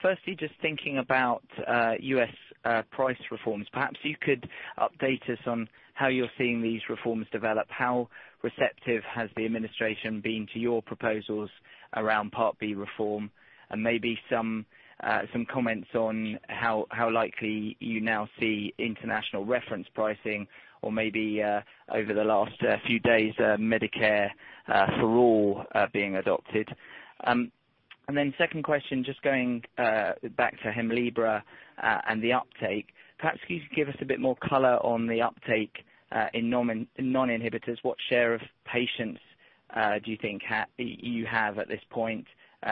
Firstly, just thinking about U.S. price reforms. Perhaps you could update us on how you're seeing these reforms develop. How receptive has the administration been to your proposals around Part B reform? Maybe some comments on how likely you now see international reference pricing or maybe, over the last few days, Medicare for All being adopted. Second question, just going back to HEMLIBRA and the uptake. Perhaps you could give us a bit more color on the uptake in non-inhibitors. What share of patients do you think you have at this point,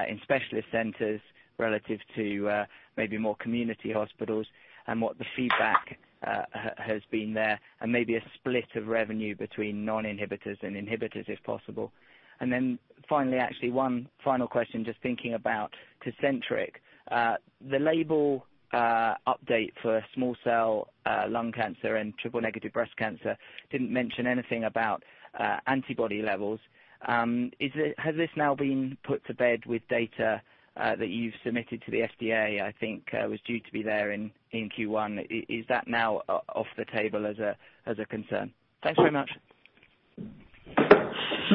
in specialist centers relative to maybe more community hospitals, and what the feedback has been there, and maybe a split of revenue between non-inhibitors and inhibitors, if possible? Finally, actually one final question, just thinking about TECENTRIQ. The label update for small cell lung cancer and triple-negative breast cancer didn't mention anything about antibody levels. Has this now been put to bed with data that you've submitted to the FDA? I think it was due to be there in Q1? Is that now off the table as a concern? Thanks very much.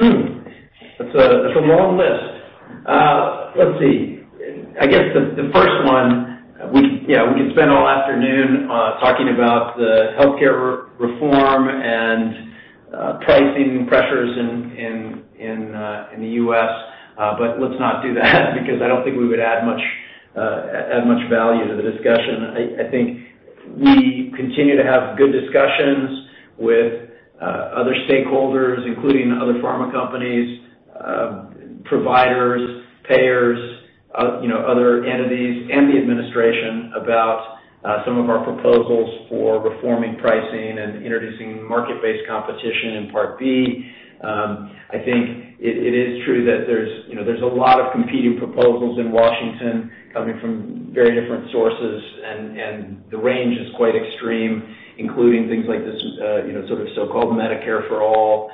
That's a long list. Let's see. I guess the first one, we could spend all afternoon talking about the healthcare reform and pricing pressures in the U.S. Let's not do that because I don't think we would add much value to the discussion. I think we continue to have good discussions with other stakeholders, including other pharma companies, providers, payers, other entities and the administration about some of our proposals for reforming pricing and introducing market-based competition in Part D. I think it is true that there's a lot of competing proposals in Washington coming from very different sources, and the range is quite extreme, including things like this sort of so-called Medicare for All.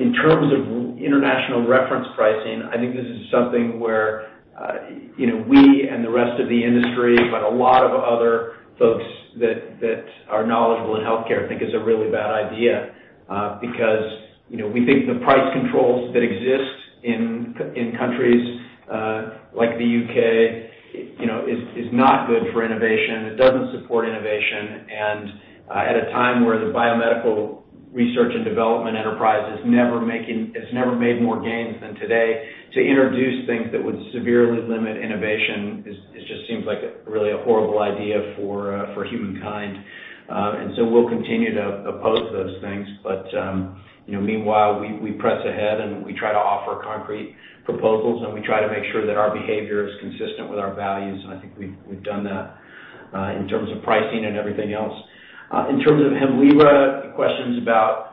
In terms of international reference pricing, I think this is something where we and the rest of the industry, but a lot of other folks that are knowledgeable in healthcare think is a really bad idea. We think the price controls that exist in countries like the U.K. is not good for innovation. It doesn't support innovation, and at a time where the biomedical research and development enterprise has never made more gains than today, to introduce things that would severely limit innovation, it just seems like really a horrible idea for humankind. We'll continue to oppose those things. Meanwhile, we press ahead, and we try to offer concrete proposals, and we try to make sure that our behavior is consistent with our values, and I think we've done that, in terms of pricing and everything else. In terms of HEMLIBRA, questions about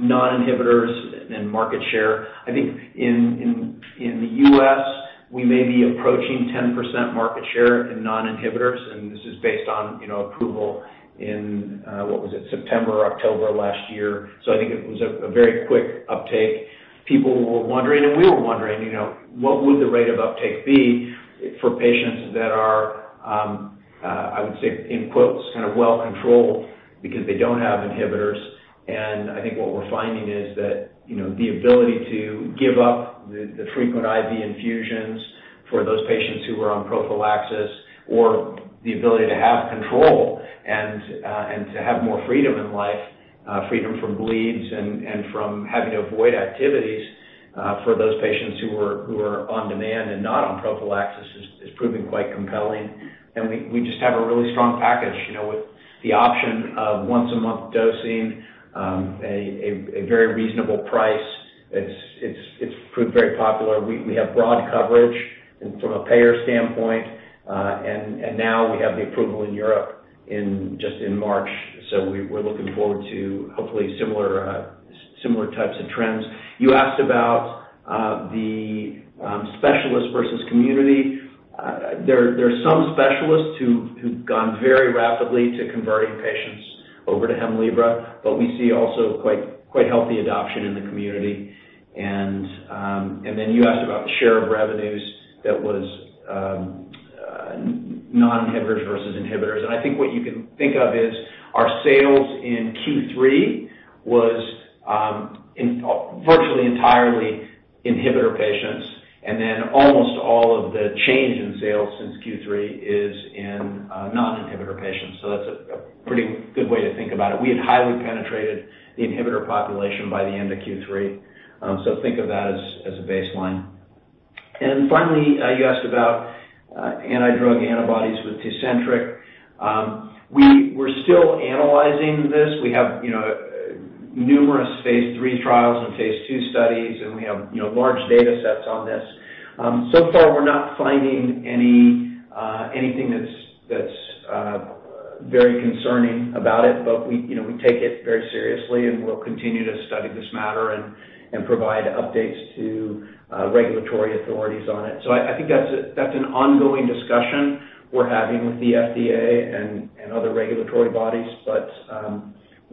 non-inhibitors and market share. I think in the U.S., we may be approaching 10% market share in non-inhibitors, and this is based on approval in, what was it? September or October of last year. I think it was a very quick uptake. People were wondering, and we were wondering, what would the rate of uptake be for patients that are, I would say in quotes, kind of well-controlled because they don't have inhibitors. I think what we're finding is that the ability to give up the frequent IV infusions for those patients who are on prophylaxis or the ability to have control and to have more freedom in life, freedom from bleeds and from having to avoid activities, for those patients who are on demand and not on prophylaxis is proving quite compelling. We just have a really strong package. With the option of once-a-month dosing, a very reasonable price. It's proved very popular. We have broad coverage from a payer standpoint, and now we have the approval in Europe just in March. We're looking forward to hopefully similar types of trends. You asked about the specialist versus community. There are some specialists who've gone very rapidly to converting patients over to HEMLIBRA, but we see also quite healthy adoption in the community. Then you asked about share of revenues that was non-inhibitors versus inhibitors. I think what you can think of is our sales in Q3 was virtually entirely inhibitor patients, and then almost all of the change in sales since Q3 is in non-inhibitor patients. That's a pretty good way to think about it. We had highly penetrated the inhibitor population by the end of Q3. Think of that as a baseline. Finally, you asked about anti-drug antibodies with TECENTRIQ. We're still analyzing this. We have numerous phase III trials and phase II studies, and we have large data sets on this. Far, we're not finding anything that's very concerning about it. We take it very seriously, and we'll continue to study this matter and provide updates to regulatory authorities on it. I think that's an ongoing discussion we're having with the FDA and other regulatory bodies.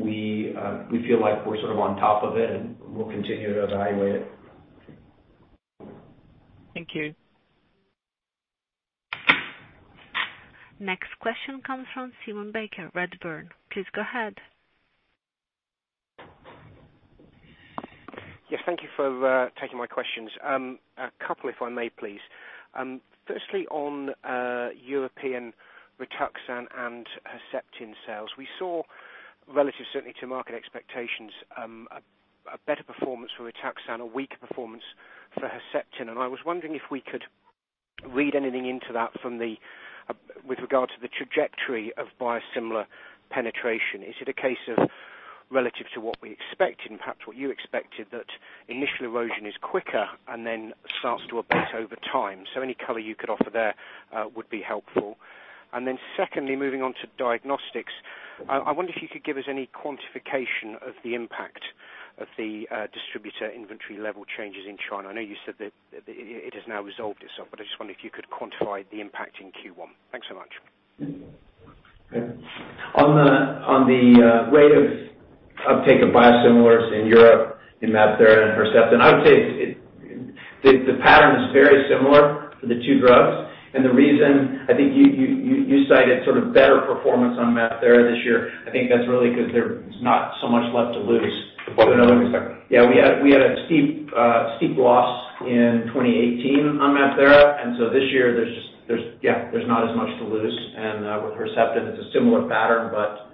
We feel like we're sort of on top of it, and we'll continue to evaluate it. Thank you. Next question comes from Simon Baker, Redburn. Please go ahead. Yes, thank you for taking my questions. A couple, if I may please. Firstly, on European Rituxan and Herceptin sales, we saw relative certainly to market expectations, a better performance for Rituxan, a weaker performance for Herceptin. I was wondering if we could read anything into that with regard to the trajectory of biosimilar penetration. Is it a case of relative to what we expected and perhaps what you expected, that initial erosion is quicker and then starts to abate over time? Any color you could offer there would be helpful. Secondly, moving on to diagnostics, I wonder if you could give us any quantification of the impact of the distributor inventory level changes in China. I know you said that it has now resolved itself, but I just wonder if you could quantify the impact in Q1. Thanks so much. Okay. On the rate of uptake of biosimilars in Europe, in MabThera and Herceptin, I would say the pattern is very similar for the two drugs. The reason, I think you cited sort of better performance on MabThera this year, I think that's really because there's not so much left to lose. Yeah, we had a steep loss in 2018 on MabThera, this year there's just, yeah, there's not as much to lose. With Herceptin, it's a similar pattern, but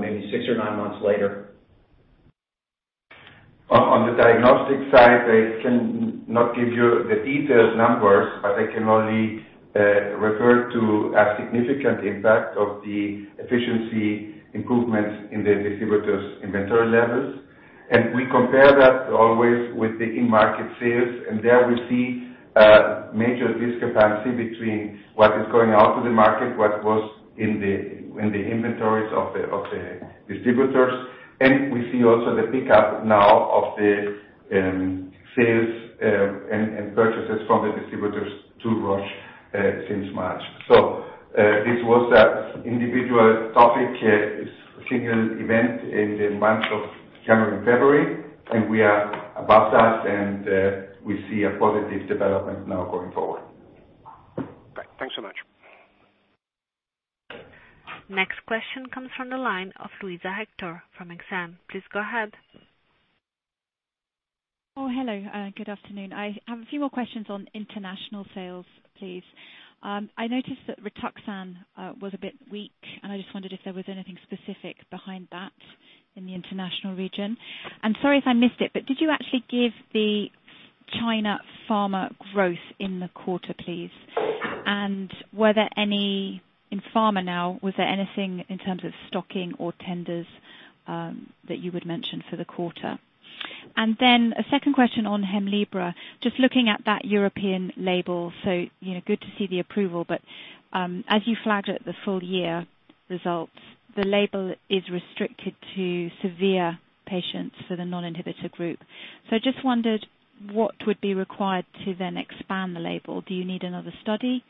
maybe six or nine months later. On the diagnostic side, I cannot give you the detailed numbers, but I can only refer to a significant impact of the efficiency improvements in the distributors' inventory levels. We compare that always with the in-market sales, and there we see a major discrepancy between what is going out to the market, what was in the inventories of the distributors. We see also the pickup now of the sales and purchases from the distributors to Roche since March. This was an individual topic, a single event in the months of January and February, and we are above that, and we see a positive development now going forward. Great. Thanks so much. Next question comes from the line of Luisa Hector from Exane. Please go ahead. Oh, hello. Good afternoon. I have a few more questions on international sales, please. I noticed that Rituxan was a bit weak, I just wondered if there was anything specific behind that in the international region. I'm sorry if I missed it, but did you actually give the China pharma growth in the quarter, please? Were there any, in pharma now, was there anything in terms of stocking or tenders that you would mention for the quarter? A second question on HEMLIBRA, just looking at that European label, so good to see the approval, but as you flagged it the full year results, the label is restricted to severe patients for the non-inhibitor group. I just wondered what would be required to then expand the label. Do you need another study,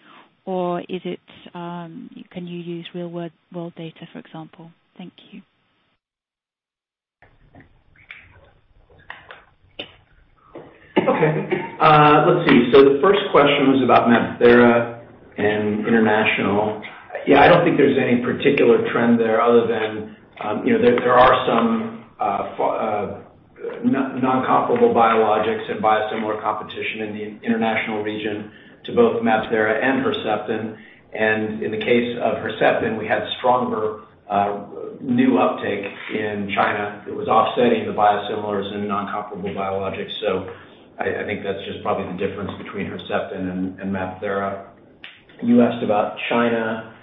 or can you use real world data, for example? Thank you. Okay. Let's see. The first question was about MabThera and international. I don't think there's any particular trend there other than there are some non-comparable biologics and biosimilar competition in the international region to both MabThera and Herceptin. In the case of Herceptin, we had stronger new uptake in China that was offsetting the biosimilars and non-comparable biologics. I think that's just probably the difference between Herceptin and MabThera. You asked about China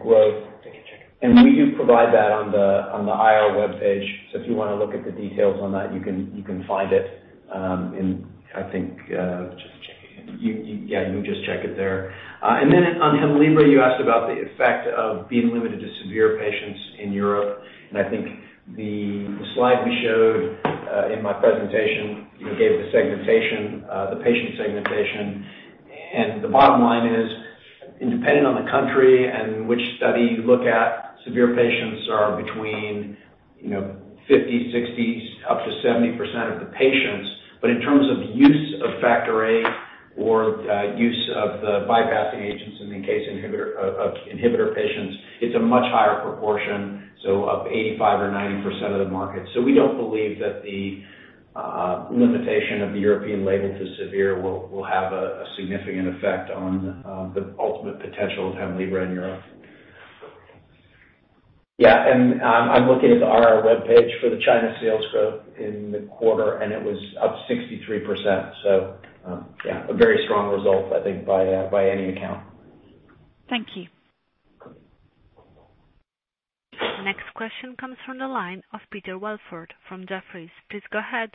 growth. Take it. We do provide that on the IR webpage. If you want to look at the details on that, you can find it in. Just check it. Yeah, you can just check it there. On HEMLIBRA, you asked about the effect of being limited to severe patients in Europe. I think the slide we showed in my presentation gave the segmentation, the patient segmentation. The bottom line is, depending on the country and which study you look at, severe patients are between 50%, 60%, up to 70% of the patients. In terms of use of factor VIII or use of the bypassing agents in the case of inhibitor patients, it's a much higher proportion, so of 85% or 90% of the market. We don't believe that the limitation of the European label to severe will have a significant effect on the ultimate potential of HEMLIBRA in Europe. Yeah. I'm looking at our webpage for the China sales growth in the quarter. It was up 63%. Yeah, a very strong result, I think, by any account. Thank you. The next question comes from the line of Peter Welford from Jefferies. Please go ahead.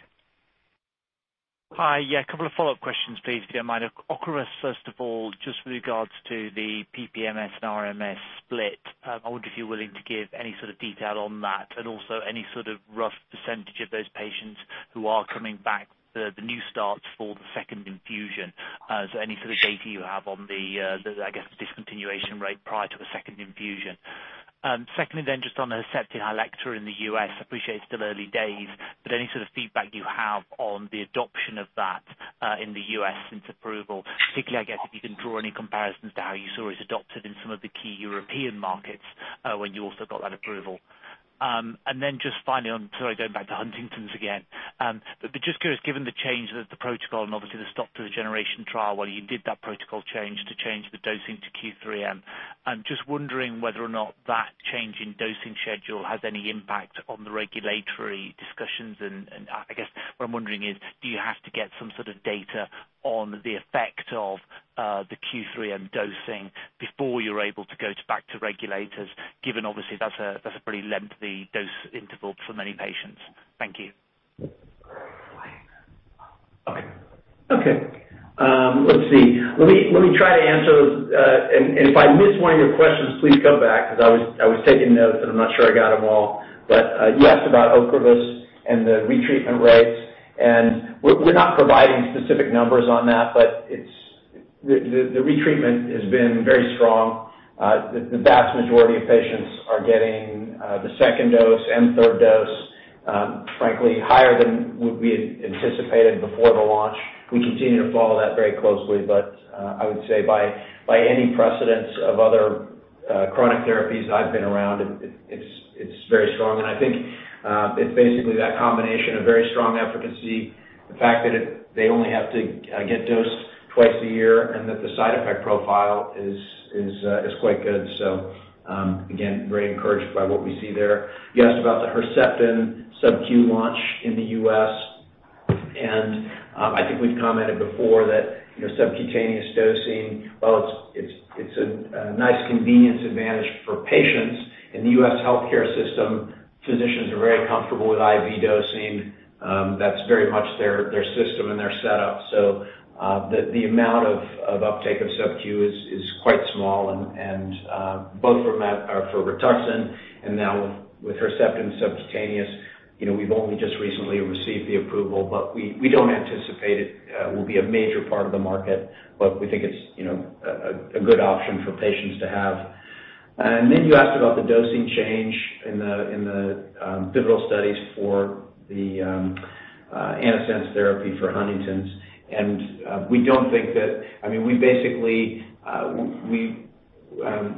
Hi. Yeah, a couple of follow-up questions, please, if you don't mind. Ocrevus, first of all, just with regards to the PPMS and RMS split, I wonder if you're willing to give any sort of detail on that, and also any sort of rough percentage of those patients who are coming back, the new starts for the second infusion. Is there any sort of data you have on the, I guess, discontinuation rate prior to a second infusion? Secondly, just on Herceptin Hylecta in the U.S. I appreciate it's still early days, but any sort of feedback you have on the adoption of that in the U.S. since approval, particularly, I guess, if you can draw any comparisons to how you saw it adopted in some of the key European markets when you also got that approval. Just finally, I'm sorry, going back to Huntington's again, but just curious, given the change of the protocol and obviously the stop to the GENERATION HD1 trial while you did that protocol change to change the dosing to Q3M, I'm just wondering whether or not that change in dosing schedule has any impact on the regulatory discussions. I guess what I'm wondering is, do you have to get some sort of data on the effect of the Q3M dosing before you're able to go back to regulators, given obviously that's a pretty lengthy dose interval for many patients. Thank you. Okay. Let's see. Let me try to answer those. If I miss one of your questions, please go back, because I was taking notes, and I'm not sure I got them all. You asked about Ocrevus and the retreatment rates, and we're not providing specific numbers on that, but the retreatment has been very strong. The vast majority of patients are getting the second dose and third dose, frankly, higher than we had anticipated before the launch. We continue to follow that very closely, but I would say by any precedence of other chronic therapies that I've been around, it's very strong. I think it's basically that combination of very strong efficacy, the fact that they only have to get dosed twice a year, and that the side effect profile is quite good. Again, very encouraged by what we see there. You asked about the Herceptin subQ launch in the U.S. I think we've commented before that subcutaneous dosing, while it's a nice convenience advantage for patients, in the U.S. healthcare system, physicians are very comfortable with IV dosing. That's very much their system and their setup. The amount of uptake of subQ is quite small, both for Rituxan and now with Herceptin subcutaneous, we've only just recently received the approval, but we don't anticipate it will be a major part of the market, but we think it's a good option for patients to have. You asked about the dosing change in the pivotal studies for the antisense therapy for Huntington's. We don't think that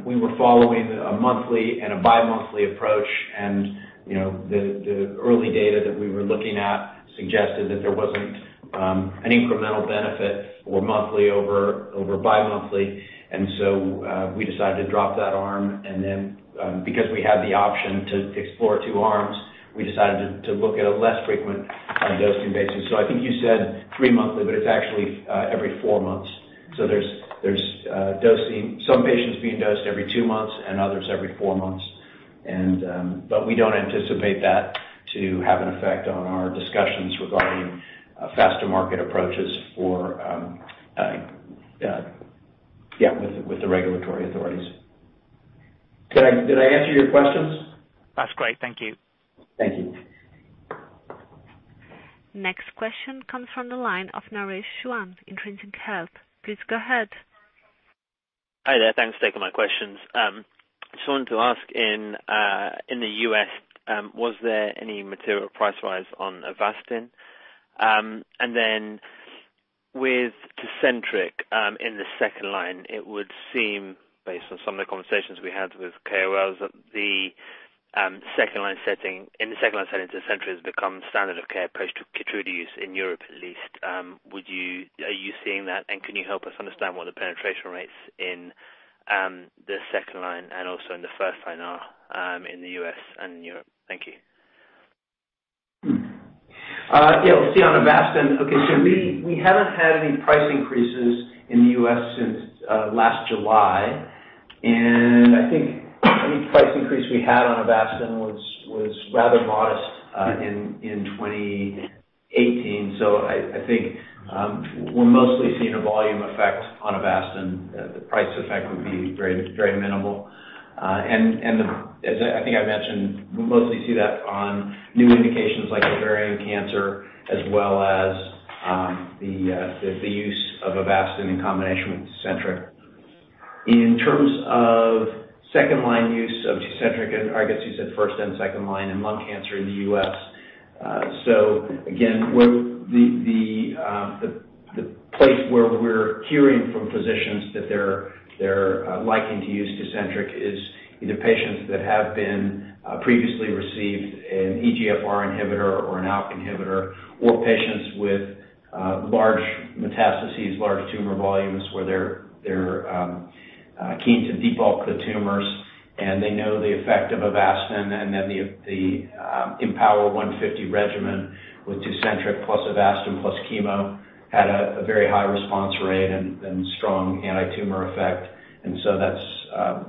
we were following a monthly and a bimonthly approach. The early data that we were looking at suggested that there wasn't an incremental benefit for monthly over bimonthly. We decided to drop that arm. Because we had the option to explore two arms, we decided to look at a less frequent dosing basis. I think you said three monthly, but it's actually every four months. There's some patients being dosed every two months and others every four months. We don't anticipate that to have an effect on our discussions regarding faster market approaches for Yeah, with the regulatory authorities. Did I answer your questions? That's great. Thank you. Thank you. Next question comes from the line of Naresh Chouhan, Intron Health. Please go ahead. Hi there. Thanks for taking my questions. Just wanted to ask, in the U.S., was there any material price rise on Avastin? Then with TECENTRIQ in the second line, it would seem based on some of the conversations we had with KOLs that in the second-line setting, TECENTRIQ has become standard of care approach to KEYTRUDA use in Europe at least. Are you seeing that, and can you help us understand what the penetration rates in the second line and also in the first line are in the U.S. and Europe? Thank you. Yeah. We'll see on Avastin. Okay, we haven't had any price increases in the U.S. since last July, and I think any price increase we had on Avastin was rather modest in 2018. I think we're mostly seeing a volume effect on Avastin. The price effect would be very minimal. As I think I mentioned, we mostly see that on new indications like ovarian cancer as well as the use of Avastin in combination with TECENTRIQ. In terms of second-line use of TECENTRIQ, I guess you said first and second-line in lung cancer in the U.S. Again, the place where we're hearing from physicians that they're liking to use TECENTRIQ is either patients that have been previously received an EGFR inhibitor or an ALK inhibitor, or patients with large metastases, large tumor volumes, where they're keen to debulk the tumors, and they know the effect of Avastin. Then the IMpower150 regimen with TECENTRIQ plus Avastin plus chemo had a very high response rate and strong anti-tumor effect. So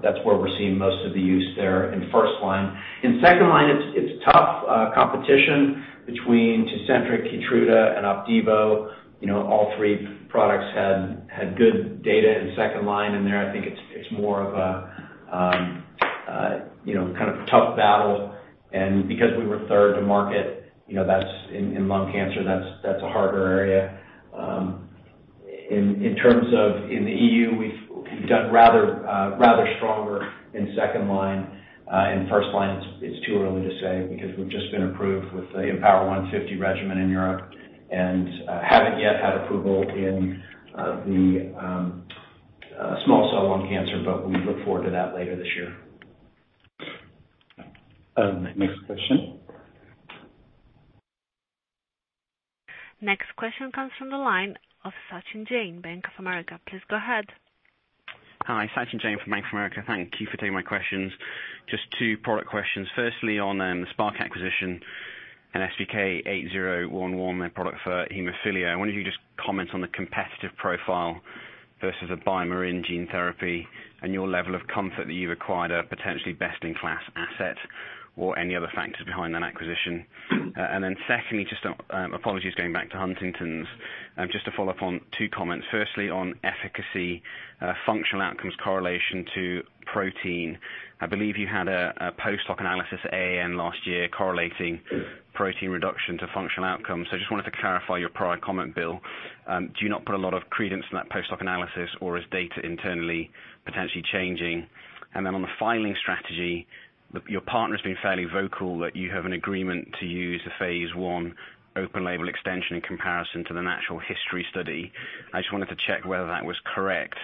that's where we're seeing most of the use there in first line. In second line, it's tough competition between TECENTRIQ, KEYTRUDA, and Opdivo. All three products had good data in second line in there. I think it's more of a kind of tough battle. Because we were third to market, in lung cancer, that's a harder area. In terms of in the EU, we've done rather stronger in second line. In first line, it's too early to say because we've just been approved with the IMpower150 regimen in Europe and haven't yet had approval in the small cell lung cancer, we look forward to that later this year. Next question. Next question comes from the line of Sachin Jain, Bank of America. Please go ahead. Hi, Sachin Jain from Bank of America. Thank you for taking my questions. Just two product questions. Firstly, on the Spark acquisition and SPK-8011, their product for hemophilia. I wonder if you could just comment on the competitive profile versus a BioMarin gene therapy and your level of comfort that you've acquired a potentially best-in-class asset or any other factors behind that acquisition. Secondly, just apologies going back to Huntington's. Just to follow up on two comments. Firstly, on efficacy functional outcomes correlation to protein. I believe you had a post hoc analysis at AAN last year correlating protein reduction to functional outcomes. I just wanted to clarify your prior comment, Bill. Do you not put a lot of credence in that post hoc analysis, or is data internally potentially changing? On the filing strategy, your partner's been fairly vocal that you have an agreement to use the phase I open label extension in comparison to the natural history study. I just wanted to check whether that was correct.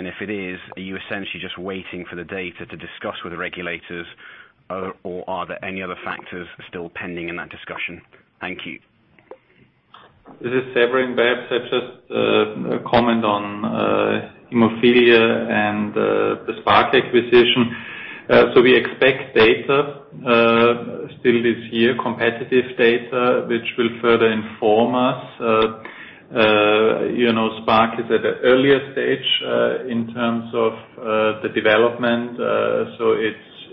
If it is, are you essentially just waiting for the data to discuss with the regulators, or are there any other factors still pending in that discussion? Thank you. This is Severin. Perhaps I'll just comment on hemophilia and the Spark acquisition. We expect data still this year, competitive data, which will further inform us. Spark is at an earlier stage in terms of the development.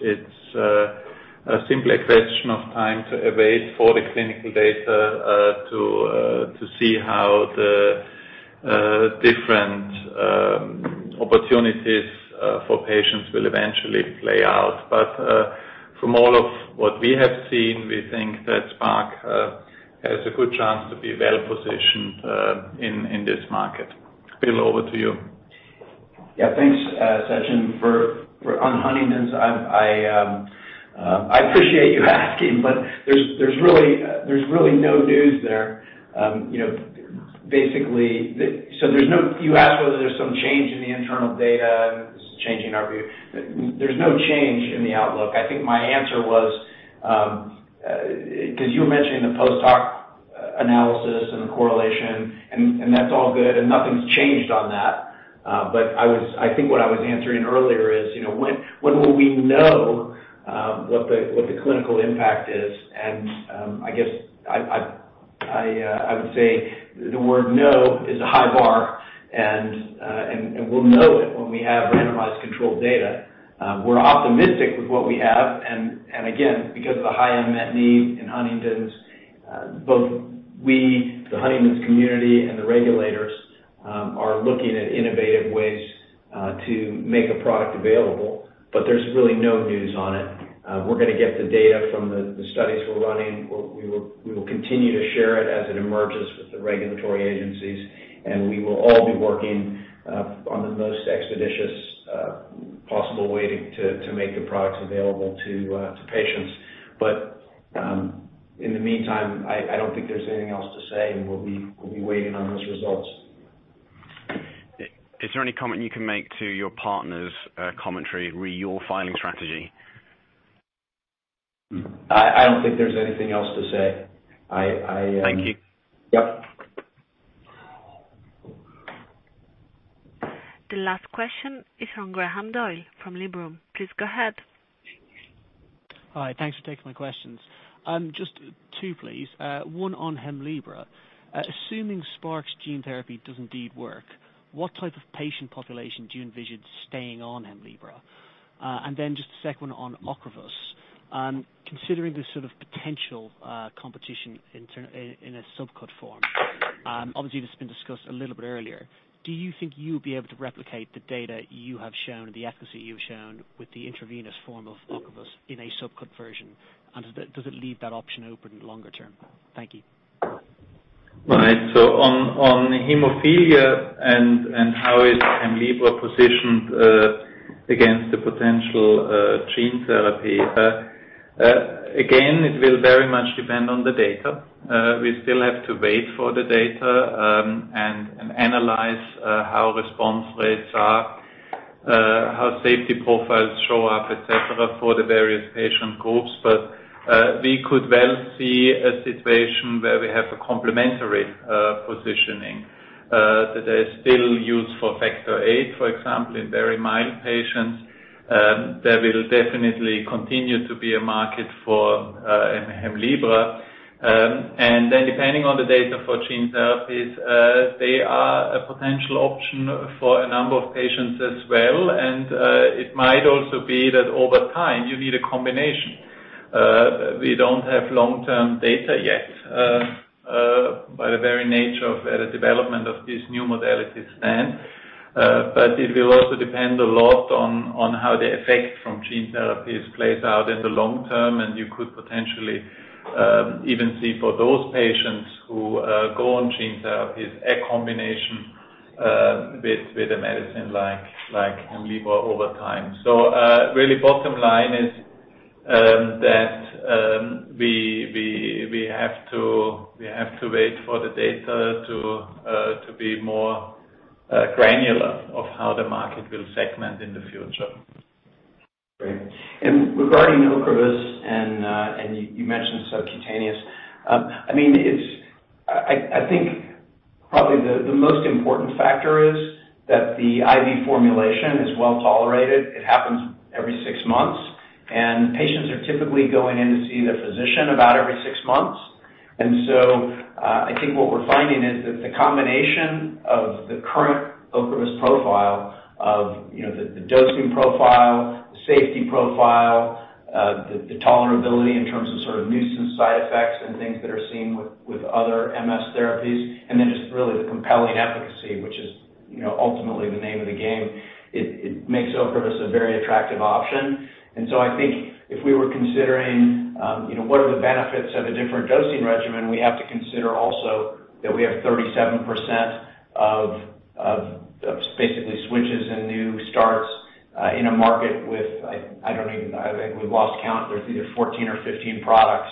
It's simply a question of time to await for the clinical data to see how the different opportunities for patients will eventually play out. From all of what we have seen, we think that Spark has a good chance to be well-positioned in this market. Bill, over to you. Yeah. Thanks, Sachin. On Huntington's, I appreciate you asking, but there's really no news there. You asked whether there's some change in the internal data and this is changing our view. There's no change in the outlook. I think my answer was, because you were mentioning the post hoc analysis and the correlation, and that's all good, and nothing's changed on that. I think what I was answering earlier is, when will we know what the clinical impact is? I guess I would say the word know is a high bar, and we'll know it when we have randomized controlled data. We're optimistic with what we have, and again, because of the high unmet need in Huntington's, both we, the Huntington's community, and the regulators are looking at innovative ways to make a product available. There's really no news on it. We're going to get the data from the studies we're running. We will continue to share it as it emerges with the regulatory agencies, and we will all be working on the most expeditious possible way to make the products available to patients. In the meantime, I don't think there's anything else to say, and we'll be waiting on those results. Is there any comment you can make to your partner's commentary re your filing strategy? I don't think there's anything else to say. Thank you. Yep. The last question is from Graham Doyle from Liberum. Please go ahead. Hi. Thanks for taking my questions. Just two, please. One on HEMLIBRA. Assuming Spark's gene therapy does indeed work, what type of patient population do you envision staying on HEMLIBRA? Then just a second one on Ocrevus. Considering the sort of potential competition in a subcut form, obviously this has been discussed a little bit earlier, do you think you'll be able to replicate the data you have shown and the efficacy you've shown with the intravenous form of Ocrevus in a subcut version? Does it leave that option open longer term? Thank you. Right. On hemophilia and how HEMLIBRA positioned against the potential gene therapy. Again, it will very much depend on the data. We still have to wait for the data and analyze how response rates are, how safety profiles show up, et cetera, for the various patient groups. We could well see a situation where we have a complementary positioning that is still used for factor VIII, for example, in very mild patients. There will definitely continue to be a market for HEMLIBRA. Then depending on the data for gene therapies, they are a potential option for a number of patients as well. It might also be that over time, you need a combination. We don't have long-term data yet by the very nature of where the development of these new modalities stand. It will also depend a lot on how the effect from gene therapies plays out in the long term. You could potentially even see for those patients who go on gene therapies, a combination with a medicine like HEMLIBRA over time. Really bottom line is that we have to wait for the data to be more granular of how the market will segment in the future. Great. Regarding Ocrevus, you mentioned subcutaneous. I think probably the most important factor is that the IV formulation is well-tolerated. It happens every 6 months, and patients are typically going in to see their physician about every 6 months. I think what we're finding is that the combination of the current Ocrevus profile of the dosing profile, the safety profile, the tolerability in terms of sort of nuisance side effects and things that are seen with other MS therapies, then just really the compelling efficacy, which is ultimately the name of the game, it makes Ocrevus a very attractive option. I think if we were considering what are the benefits of a different dosing regimen, we have to consider also that we have 37% of basically switches and new starts in a market with, I think we've lost count, but it's either 14 or 15 products.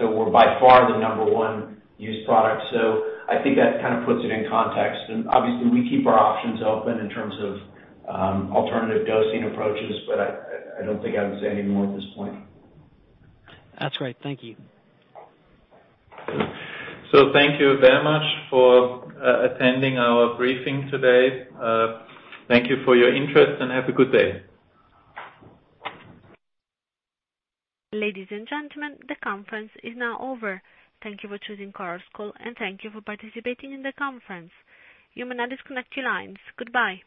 We're by far the number 1 used product. I think that kind of puts it in context. Obviously, we keep our options open in terms of alternative dosing approaches, but I don't think I would say any more at this point. That's great. Thank you. Thank you very much for attending our briefing today. Thank you for your interest, and have a good day. Ladies and gentlemen, the conference is now over. Thank you for choosing Chorus Call, and thank you for participating in the conference. You may now disconnect your lines. Goodbye.